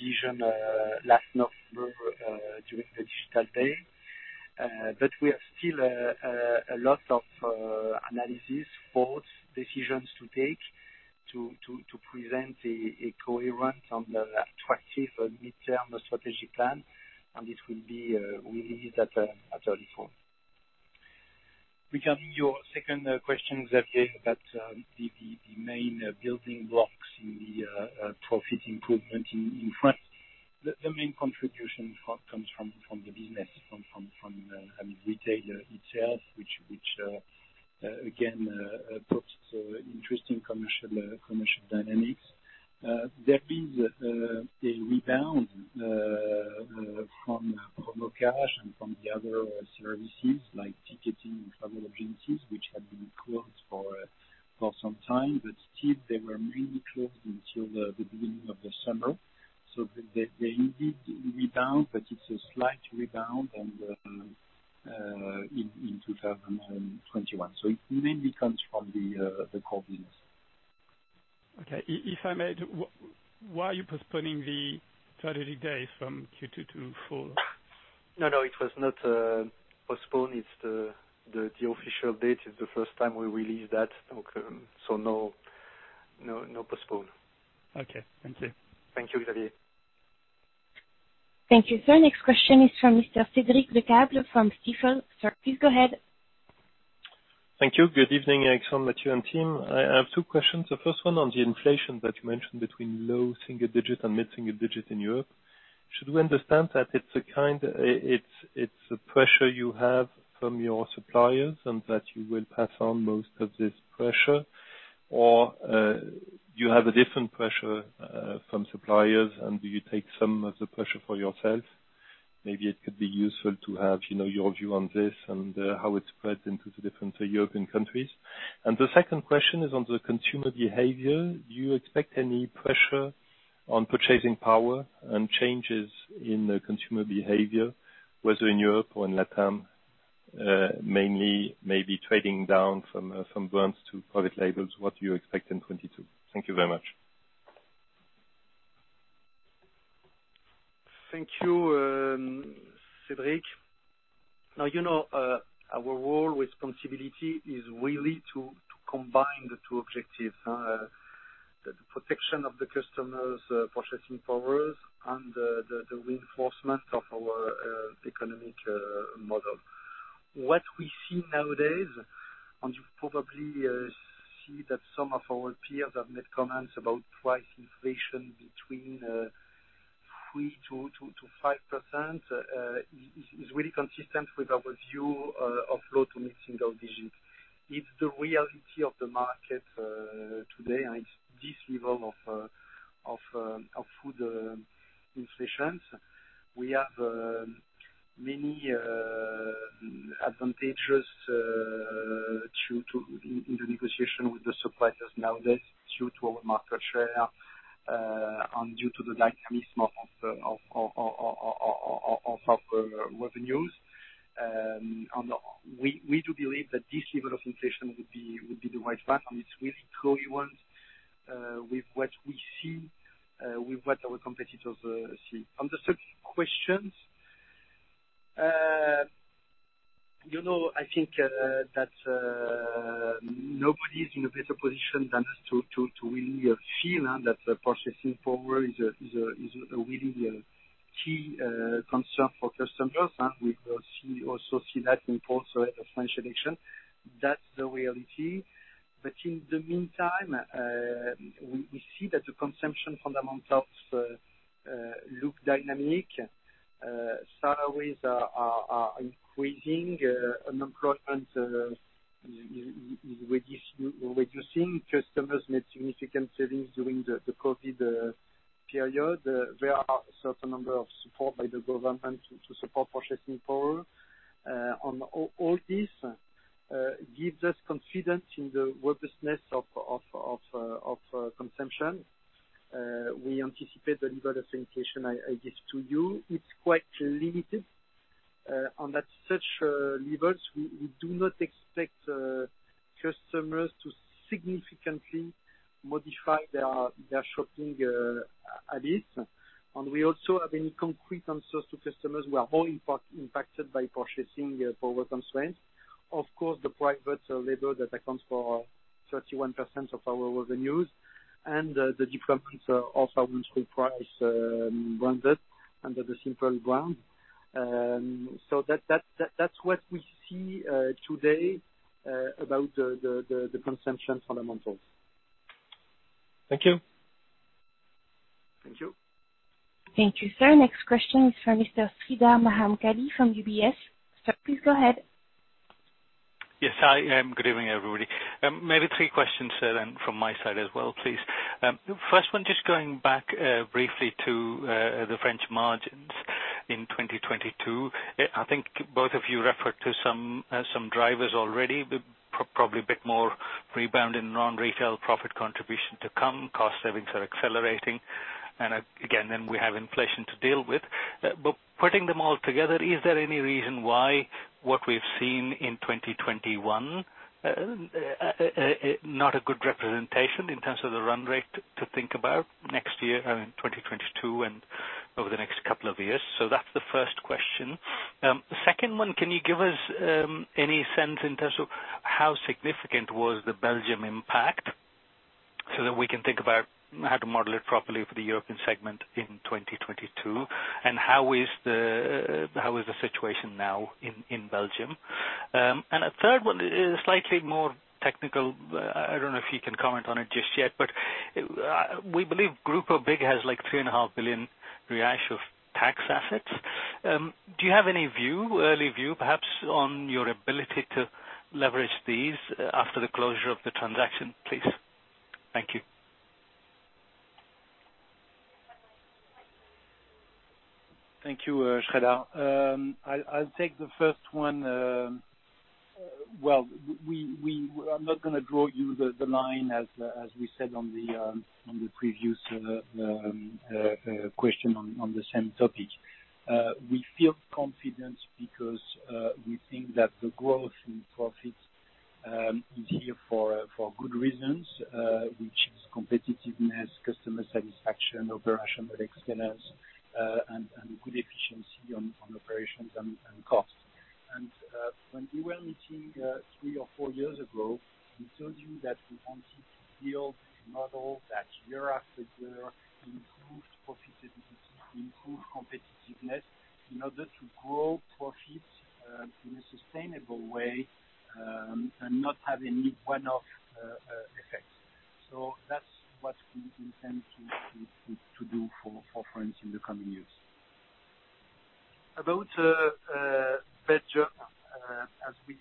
vision last November during the Digital Day. We have still a lot of analysis for decisions to take to present a coherent and attractive mid-term strategic plan. It will be released at early fall. Regarding your second question, Xavier, about the main building blocks in the profit improvement in France. The main contribution comes from the business, from the retailer itself, which again puts interesting commercial dynamics. There is a rebound from Promocash and from the other services like ticketing and travel agencies, which had been closed for some time, but still they were mainly closed until the beginning of the summer. They indeed rebound, but it's a slight rebound than the one in 2021. It mainly comes from the core business. Okay. If I may, why are you postponing the third day from Q2 to fall? No, no, it was not postponed. It's the official date. It's the first time we released that. No postpone. Okay. Thank you. Thank you, Xavier. Thank you, sir. Next question is from Mr. Cédric Lecasble from Stifel. Sir, please go ahead. Thank you. Good evening, Alexandre, Matthieu, and team. I have two questions. The first one on the inflation that you mentioned between low single digits and mid-single digits in Europe. Should we understand that it's a pressure you have from your suppliers, and that you will pass on most of this pressure? Or do you have a different pressure from suppliers, and do you take some of the pressure for yourself? Maybe it could be useful to have, you know, your view on this and how it spreads into the different European countries. The second question is on the consumer behavior. Do you expect any pressure on purchasing power and changes in the consumer behavior, whether in Europe or in Latam, mainly maybe trading down from brands to private labels? What do you expect in 2022? Thank you very much. Thank you, Cédric. Now, you know, our role, responsibility is really to combine the two objectives, the protection of the customers' purchasing power and the reinforcement of our economic model. What we see nowadays, and you probably see that some of our peers have made comments about price inflation between 3%-5%, is really consistent with our view of low- to mid-single digits. It's the reality of the market today, and it's this level of food inflation. We have many advantages in the negotiation with the suppliers nowadays due to our market share, and due to the dynamics of our revenues. We do believe that this level of inflation would be the right path, and it's really coherent with what we see with what our competitors see. On the second questions, you know, I think that nobody is in a better position than us to really feel that the purchasing power is really a key concern for customers. We will also see that in the course of the French election. That's the reality. In the meantime, we see that the consumption fundamentals look dynamic. Salaries are increasing. Unemployment is reducing. Customers made significant savings during the COVID period. There are certain number of support by the government to support purchasing power. All this gives us confidence in the robustness of consumption. We anticipate the level of inflation I give to you. It's quite limited. At such levels, we do not expect customers to significantly modify their shopping habits. We also have concrete answers to customers who are more impacted by purchasing power constraints. Of course, the private label that accounts for 31% of our revenues and the different All-France Price branded under the Simpl brand. That's what we see today about the consumption fundamentals. Thank you. Thank you. Thank you, sir. Next question is from Mr. Sreedhar Mahamkali from UBS. Sir, please go ahead. Yes, hi, good evening, everybody. Maybe three questions, sir, then from my side as well, please. First one, just going back, briefly to the French margins in 2022. I think both of you referred to some drivers already, but probably a bit more rebound in non-retail profit contribution to come. Cost savings are accelerating. Again, we have inflation to deal with. Putting them all together, is there any reason why what we've seen in 2021 not a good representation in terms of the run rate to think about next year, I mean 2022, and over the next couple of years? That's the first question. Second one, can you give us any sense in terms of how significant was the Belgium impact so that we can think about how to model it properly for the European segment in 2022? How is the situation now in Belgium? A third one is slightly more technical. I don't know if you can comment on it just yet, but we believe Grupo BIG has, like, 3.5 billion of tax assets. Do you have any view, early view perhaps, on your ability to leverage these after the closure of the transaction, please? Thank you. Thank you, Sreedhar. I'll take the first one. I'm not gonna draw you the line as we said on the previous question on the same topic. We feel confident because we think that the growth in profits is here for good reasons, which is competitiveness, customer satisfaction, operational excellence, and good efficiency on operations and costs. When we were meeting three or four years ago, we told you that we wanted to build a model that year after year improved profitability, improved competitiveness in order to grow profits in a sustainable way, and not have any one-off effects. That's what we intend to do for France in the coming years. About Belgium, as we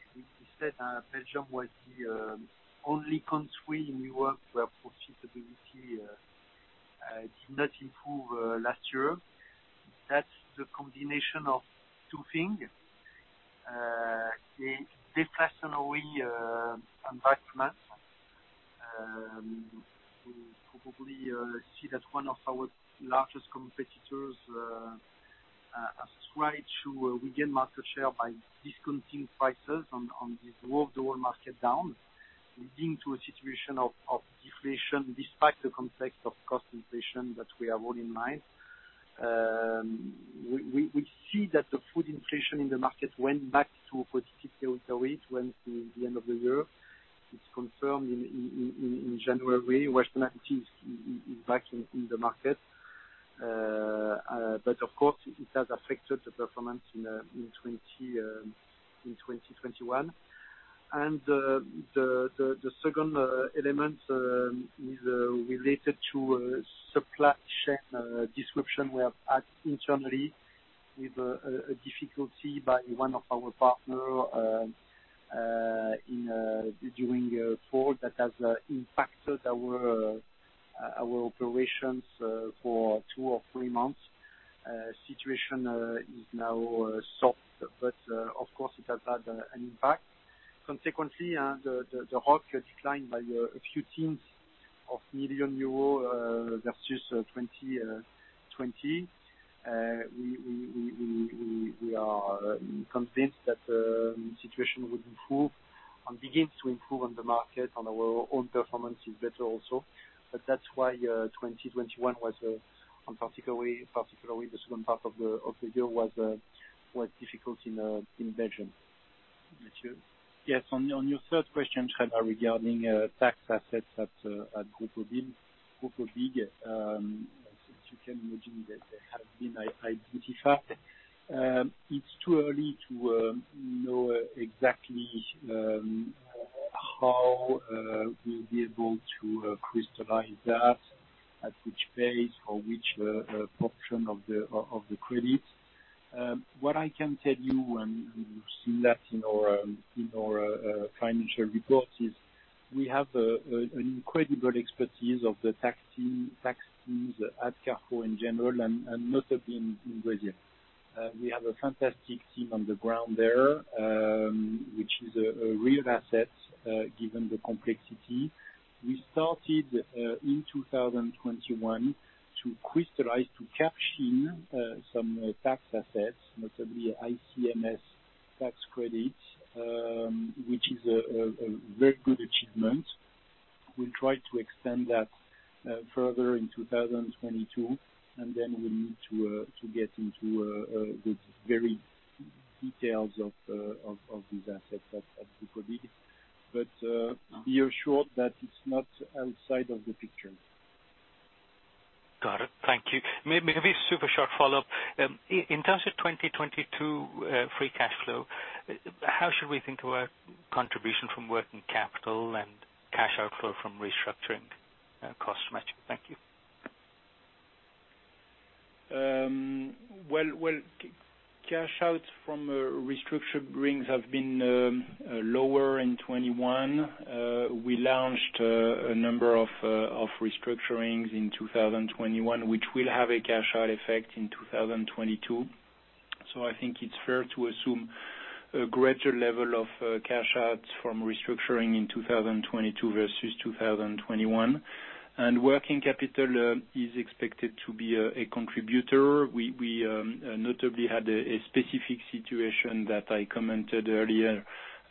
said, Belgium was the only country in Europe where profitability did not improve last year. That's the combination of two things, the discretionary environment. We probably see that one of our largest competitors tried to regain market share by discounting prices. They drove the whole market down, leading to a situation of deflation, despite the context of cost inflation that we have all in mind. We see that the food inflation in the market went back to a positive territory at the end of the year. It's confirmed in January. The activity is back in the market. Of course, it has affected the performance in 2021. The second element is related to a supply chain disruption we have had internally with a difficulty by one of our partner in during fall that has impacted our operations for 2 or 3 months. Situation is now solved. Of course, it has had an impact. Consequently, the ROC declined by a few tens of million EUR versus 2020. We are convinced that situation would improve and begins to improve on the market, and our own performance is better also. That's why, 2021 was on particularly the second part of the year was difficult in Belgium. Thank you. Yes, on your third question, Trevor, regarding tax assets at Grupo BIG, as you can imagine, they have been identified. It's too early to know exactly how we'll be able to crystallize that, at which phase or which portion of the credits. What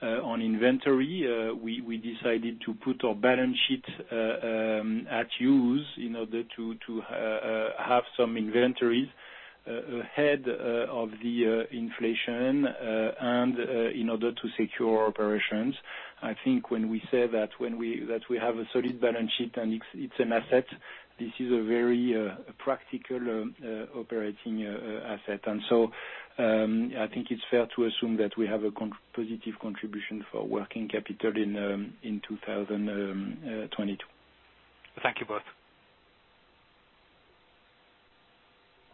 on inventory. We decided to put our balance sheet to use in order to have some inventories ahead of the inflation and in order to secure our operations. I think when we say that we have a solid balance sheet and it's an asset, this is a very practical operating asset. I think it's fair to assume that we have a positive contribution for working capital in 2022. Thank you both.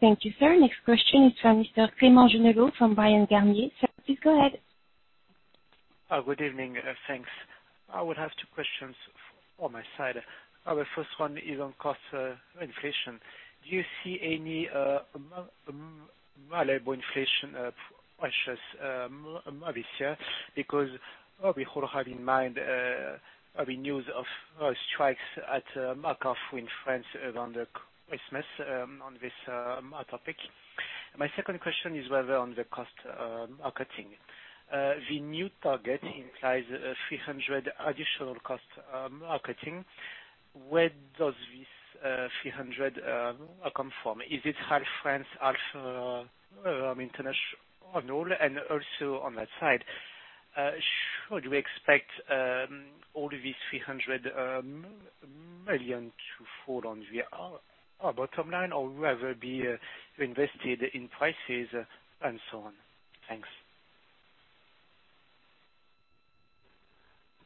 Thank you, sir. Next question is from Mr. Clément Genelot from Bryan, Garnier & Co. Sir, please go ahead. Good evening. Thanks. I would have two questions from my side. Our first one is on cost inflation. Do you see any labor inflation pressures, obviously, because we all have in mind the news of strikes at Carrefour in France around Christmas on this topic. My second question is whether on the cost of marketing the new target implies 300 million additional cost of marketing. Where does this 300 million come from? Is it half in France, half international? Also on that side, should we expect all of these 300 million to fall on our bottom line or rather be invested in prices and so on? Thanks.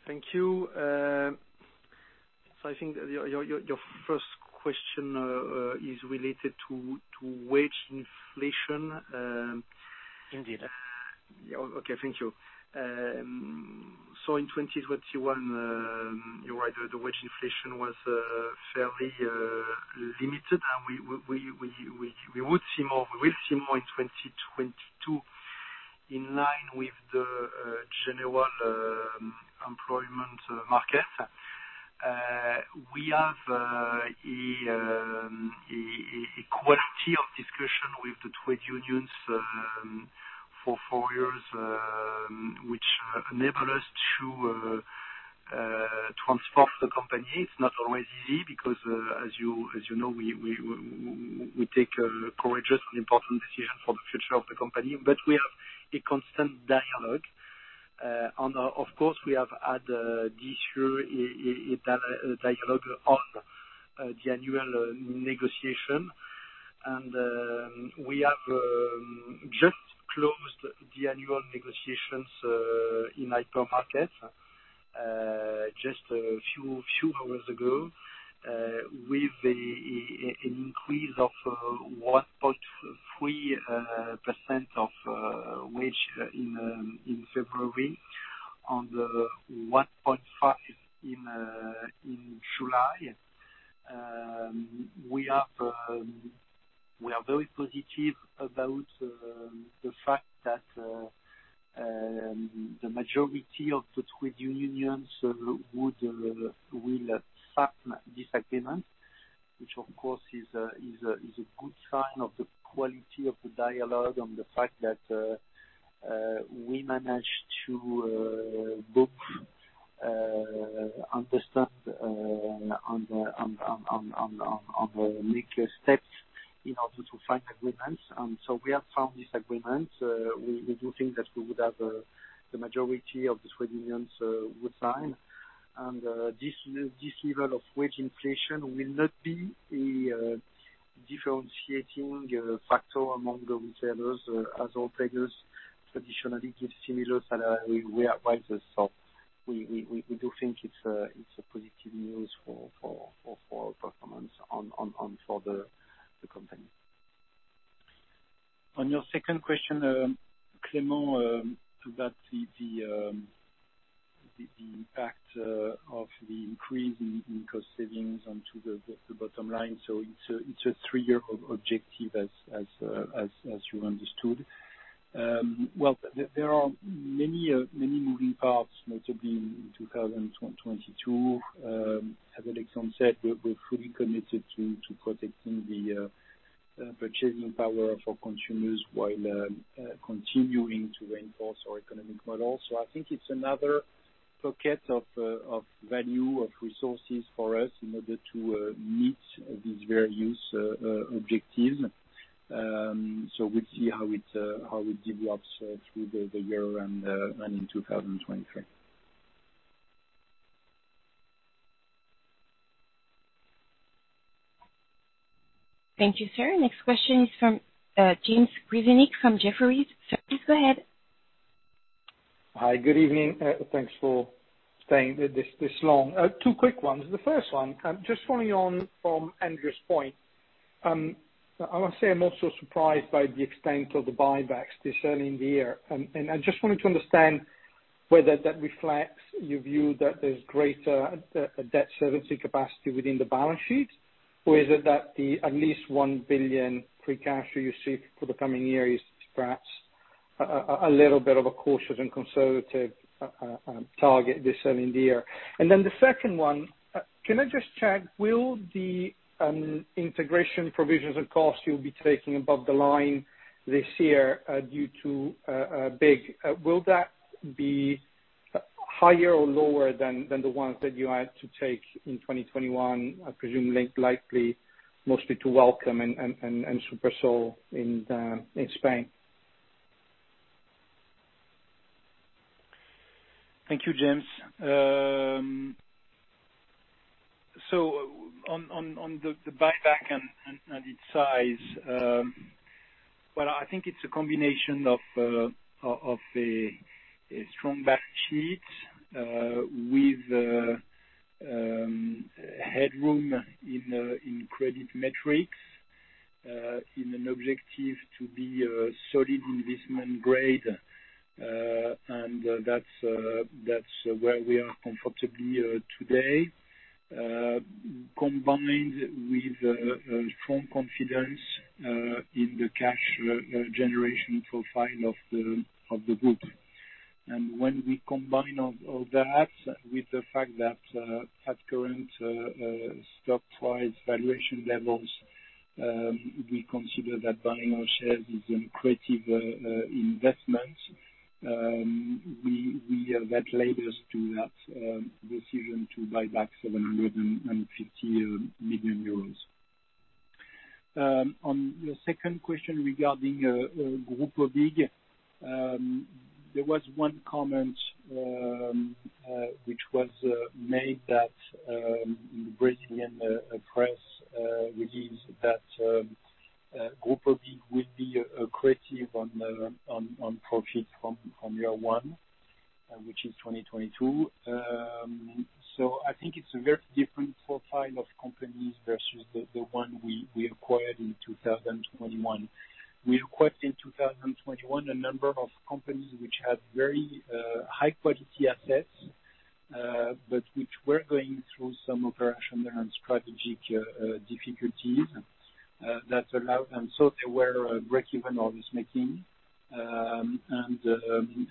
Thank you. I think your first question is related to wage inflation. Indeed. Okay. Thank you. In 2021, you're right, the wage inflation was fairly limited. We will see more in 2022 in line with the general employment market. We have a quality of discussion with the trade unions for four years, which enable us to transform the company. It's not always easy because, as you know, we take courageous and important decisions for the future of the company. We have a constant dialogue. Of course, we have had this year a dialogue on the annual negotiation. We have just closed the annual negotiations in hypermarket with an increase of 1.3% of wage in February, and 1.5 in July. We are very positive about the fact that the majority of the trade unions will sign this agreement, which of course is a good sign of the quality of the dialogue and the fact that we managed to both understand and make steps in order to sign agreements. We have signed this agreement. We do think that the majority of the trade unions would sign. This level of wage inflation will not be a differentiating factor among the retailers as all players traditionally give similar salary rises. We do think it's a positive news for our performance for the company. On your second question, Clément, about the impact of the increase in cost savings onto the bottom line. It's a three-year objective as you understood. Well, there are many moving parts, notably in 2022. As Alexandre said, we're fully committed to protecting the purchasing power of our consumers while continuing to reinforce our economic model. I think it's another pocket of value, of resources for us in order to meet these various objectives. We'll see how it develops through the year and in 2023. Thank you, sir. Next question is from James Grzinic from Jefferies. Sir, please go ahead. Hi, good evening. Thanks for staying this long. Two quick ones. The first one, just following on from Andrew's point, I want to say I'm also surprised by the extent of the buybacks this early in the year. I just wanted to understand whether that reflects your view that there's greater debt servicing capacity within the balance sheet? Or is it that the at least 1 billion free cash flow you seek for the coming year is perhaps a little bit of a cautious and conservative target this early in the year. The second one, can I just check, will the integration provisions and costs you'll be taking above the line this year, due to BIG, will that be higher or lower than the ones that you had to take in 2021? I presume it's likely mostly to Wellcome and Supersol in Spain. Thank you, James. On the buyback and its size, well, I think it's a combination of a strong balance sheet with headroom in credit metrics and an objective to be a solid investment grade. That's where we are comfortably today. Combined with a strong confidence in the cash generation profile of the group. When we combine all that with the fact that at current stock price valuation levels, we consider that buying our shares is an accretive investment that led us to that decision to buy back 750 million euros. On your second question regarding Grupo BIG, there was one comment which was made that Grupo BIG will be accretive on profit from year one, which is 2022. I think it's a very different profile of companies versus the one we acquired in 2021. We acquired in 2021 a number of companies which had very high quality assets but which were going through some operational and strategic difficulties. They were breakeven or loss-making,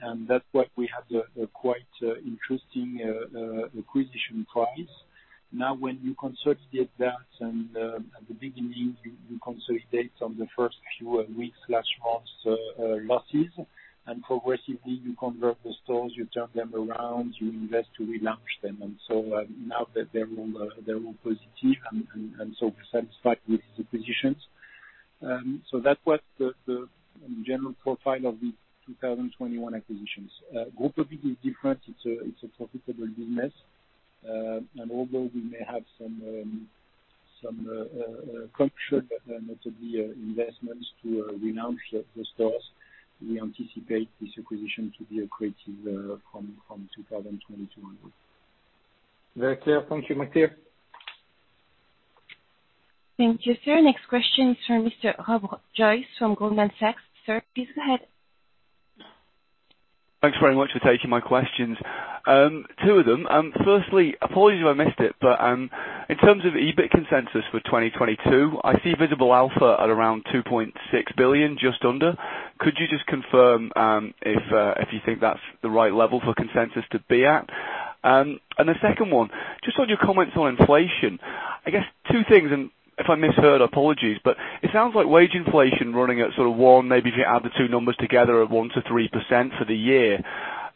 and that's why we had a quite interesting acquisition price. Now, when you consolidate that and, at the beginning, you consolidate on the first few weeks or months, losses, and progressively you convert the stores, you turn them around, you invest to relaunch them. Now that they're all positive and so we're satisfied with the positions. That was the general profile of the 2021 acquisitions. Grupo BIG is different. It's a profitable business. And although we may have some CapEx, notably investments to relaunch the stores, we anticipate this acquisition to be accretive from 2022 onwards. Very clear. Thank you, Matthieu. Thank you, sir. Next question is from Mr. Rob Joyce from Goldman Sachs. Sir, please go ahead. Thanks very much for taking my questions. Two of them. Firstly, apologies if I missed it, but in terms of EBIT consensus for 2022, I see Visible Alpha at around 2.6 billion, just under. Could you just confirm if you think that's the right level for consensus to be at? The second one, just on your comments on inflation, I guess two things, and if I misheard, apologies, but it sounds like wage inflation running at sort of 1, maybe if you add the two numbers together of 1%-3% for the year.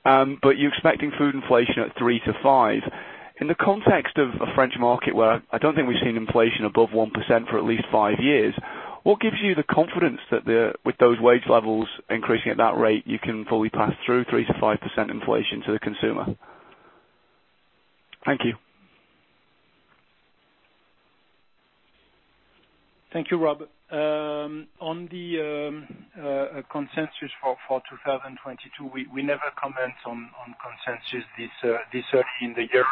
You're expecting food inflation at 3%-5%. In the context of a French market where I don't think we've seen inflation above 1% for at least five years, what gives you the confidence that the... with those wage levels increasing at that rate, you can fully pass through 3%-5% inflation to the consumer? Thank you. Thank you, Rob. On the consensus for 2022, we never comment on consensus this early in the year.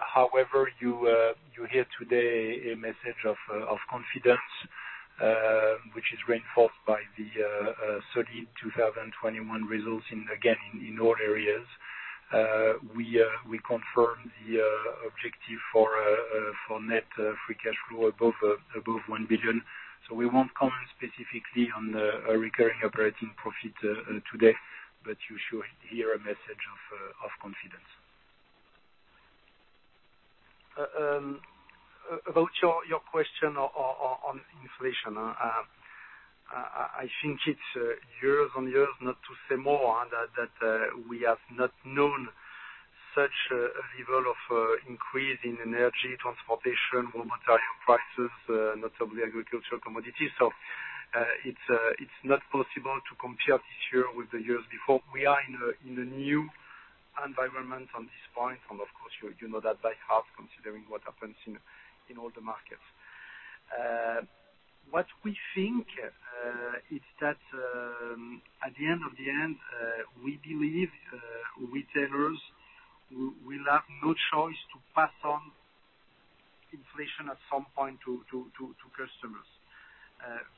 However, you hear today a message of confidence, which is reinforced by the solid 2021 results, again, in all areas. We confirm the objective for net free cash flow above 1 billion. We won't comment specifically on the recurring operating profit today, but you should hear a message of confidence. About your question on inflation, I think it's years on years, not to say more, that we have not known such a level of increase in energy, transportation, raw material prices, notably agricultural commodities. It's not possible to compare this year with the years before. We are in a new environment on this point, and of course, you know that by and large considering what happens in all the markets. What we think is that at the end of the day, we believe retailers will have no choice to pass on inflation at some point to customers.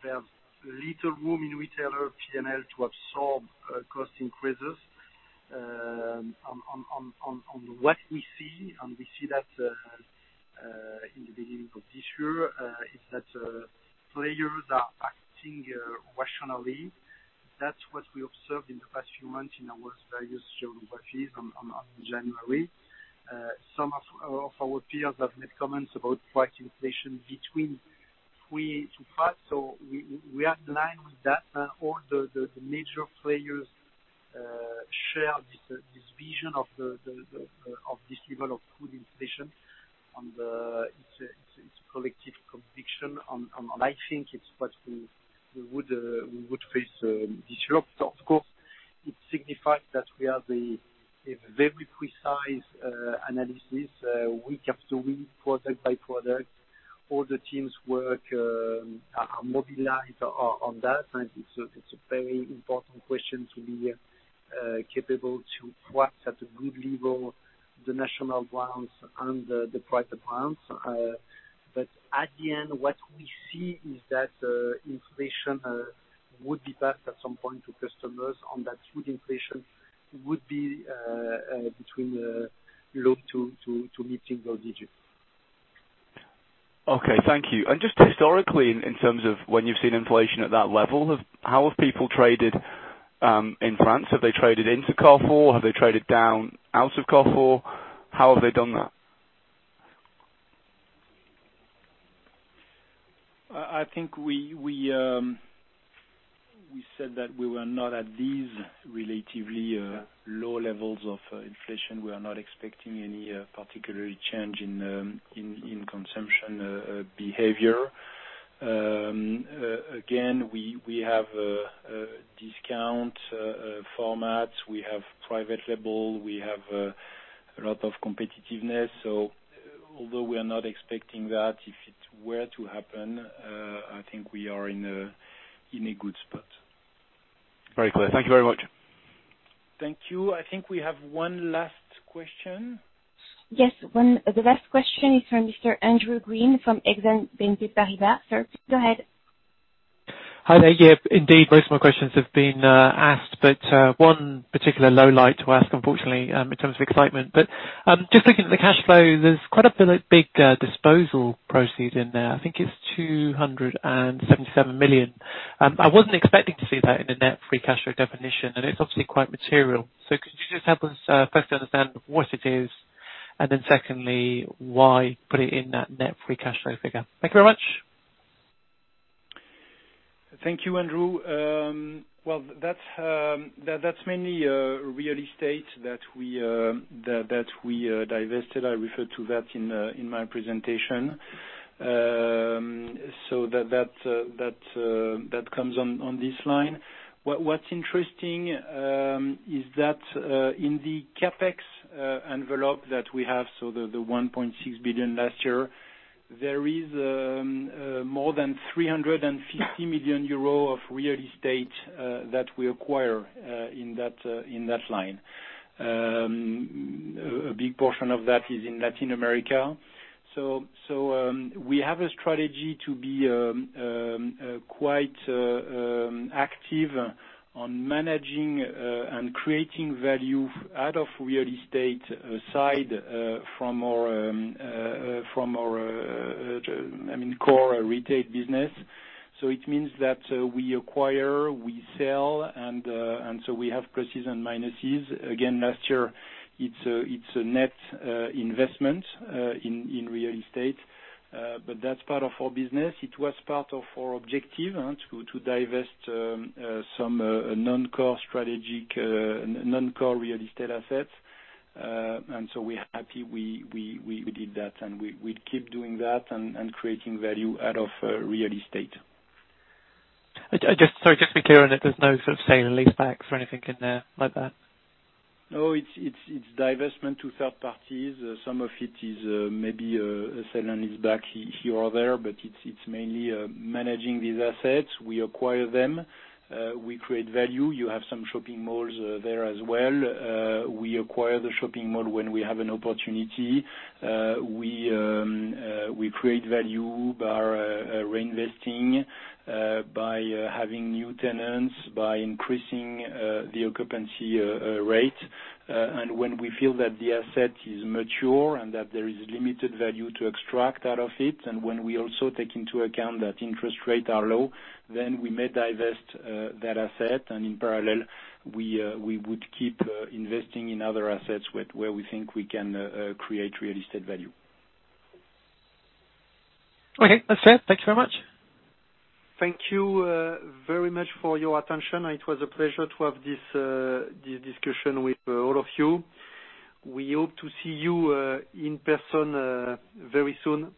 There's little room in retailer P&L to absorb cost increases. On what we see, and we see that in the beginning of this year, players are acting rationally. That's what we observed in the past few months in our various geographies as of January. Some of our peers have made comments about price inflation between 3%-5%, so we are aligned with that, and all the major players share this vision of this level of food inflation. It's a collective conviction and I think it's what we would face this year. Of course, it signifies that we have a very precise analysis week after week, product by product. All the teams are mobilized on that, and it's a very important question to be capable to price at a good level the national brands and the private brands. At the end, what we see is that inflation would be passed at some point to customers, and that food inflation would be between low to mid-single digits. Okay, thank you. Just historically, in terms of when you've seen inflation at that level, how have people traded in France? Have they traded into Carrefour? Have they traded down out of Carrefour? How have they done that? I think we said that we were not at these relatively low levels of inflation. We are not expecting any particular change in consumption behavior. Again, we have a discount format, we have private label, we have a lot of competitiveness. Although we are not expecting that, if it were to happen, I think we are in a good spot. Very clear. Thank you very much. Thank you. I think we have one last question. Yes. The last question is from Mr. Andrew Gwynn from Exane BNP Paribas. Sir, go ahead. Hi there. Yeah, indeed, most of my questions have been asked, but one particular point I'd like to ask, unfortunately, in terms of excitement. Just looking at the cash flow, there's quite a big disposal proceeds in there. I think it's 277 million. I wasn't expecting to see that in a net free cash flow definition, and it's obviously quite material. Could you just help us first understand what it is, and then secondly, why put it in that net free cash flow figure? Thank you very much. Thank you, Andrew. Well, that's mainly real estate that we divested. I referred to that in my presentation. That comes on this line. What's interesting is that in the CapEx envelope that we have, so the 1.6 billion last year, there is more than 350 million euro of real estate that we acquire in that line. A big portion of that is in Latin America. We have a strategy to be quite active on managing and creating value out of real estate side from our, I mean, core retail business. It means that we acquire, we sell, and so we have pluses and minuses. Again, last year, it's a net investment in real estate, but that's part of our business. It was part of our objective to divest some non-core strategic non-core real estate assets. We're happy we did that, and we keep doing that and creating value out of real estate. Sorry, just to be clear on it, there's no sort of sale and leasebacks or anything in there like that? No, it's divestment to third parties. Some of it is maybe a sale and leaseback here or there, but it's mainly managing these assets. We acquire them. We create value. You have some shopping malls there as well. We acquire the shopping mall when we have an opportunity. We create value by reinvesting, by having new tenants, by increasing the occupancy rate. When we feel that the asset is mature and that there is limited value to extract out of it, and when we also take into account that interest rates are low, then we may divest that asset, and in parallel, we would keep investing in other assets where we think we can create real estate value. Okay. That's it. Thank you so much. Thank you very much for your attention. It was a pleasure to have this discussion with all of you. We hope to see you in person very soon.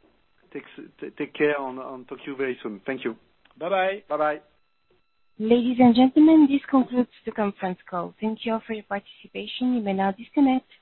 Take care and talk to you very soon. Thank you. Bye-bye. Bye-bye. Ladies and gentlemen, this concludes the conference call. Thank you for your participation. You may now disconnect.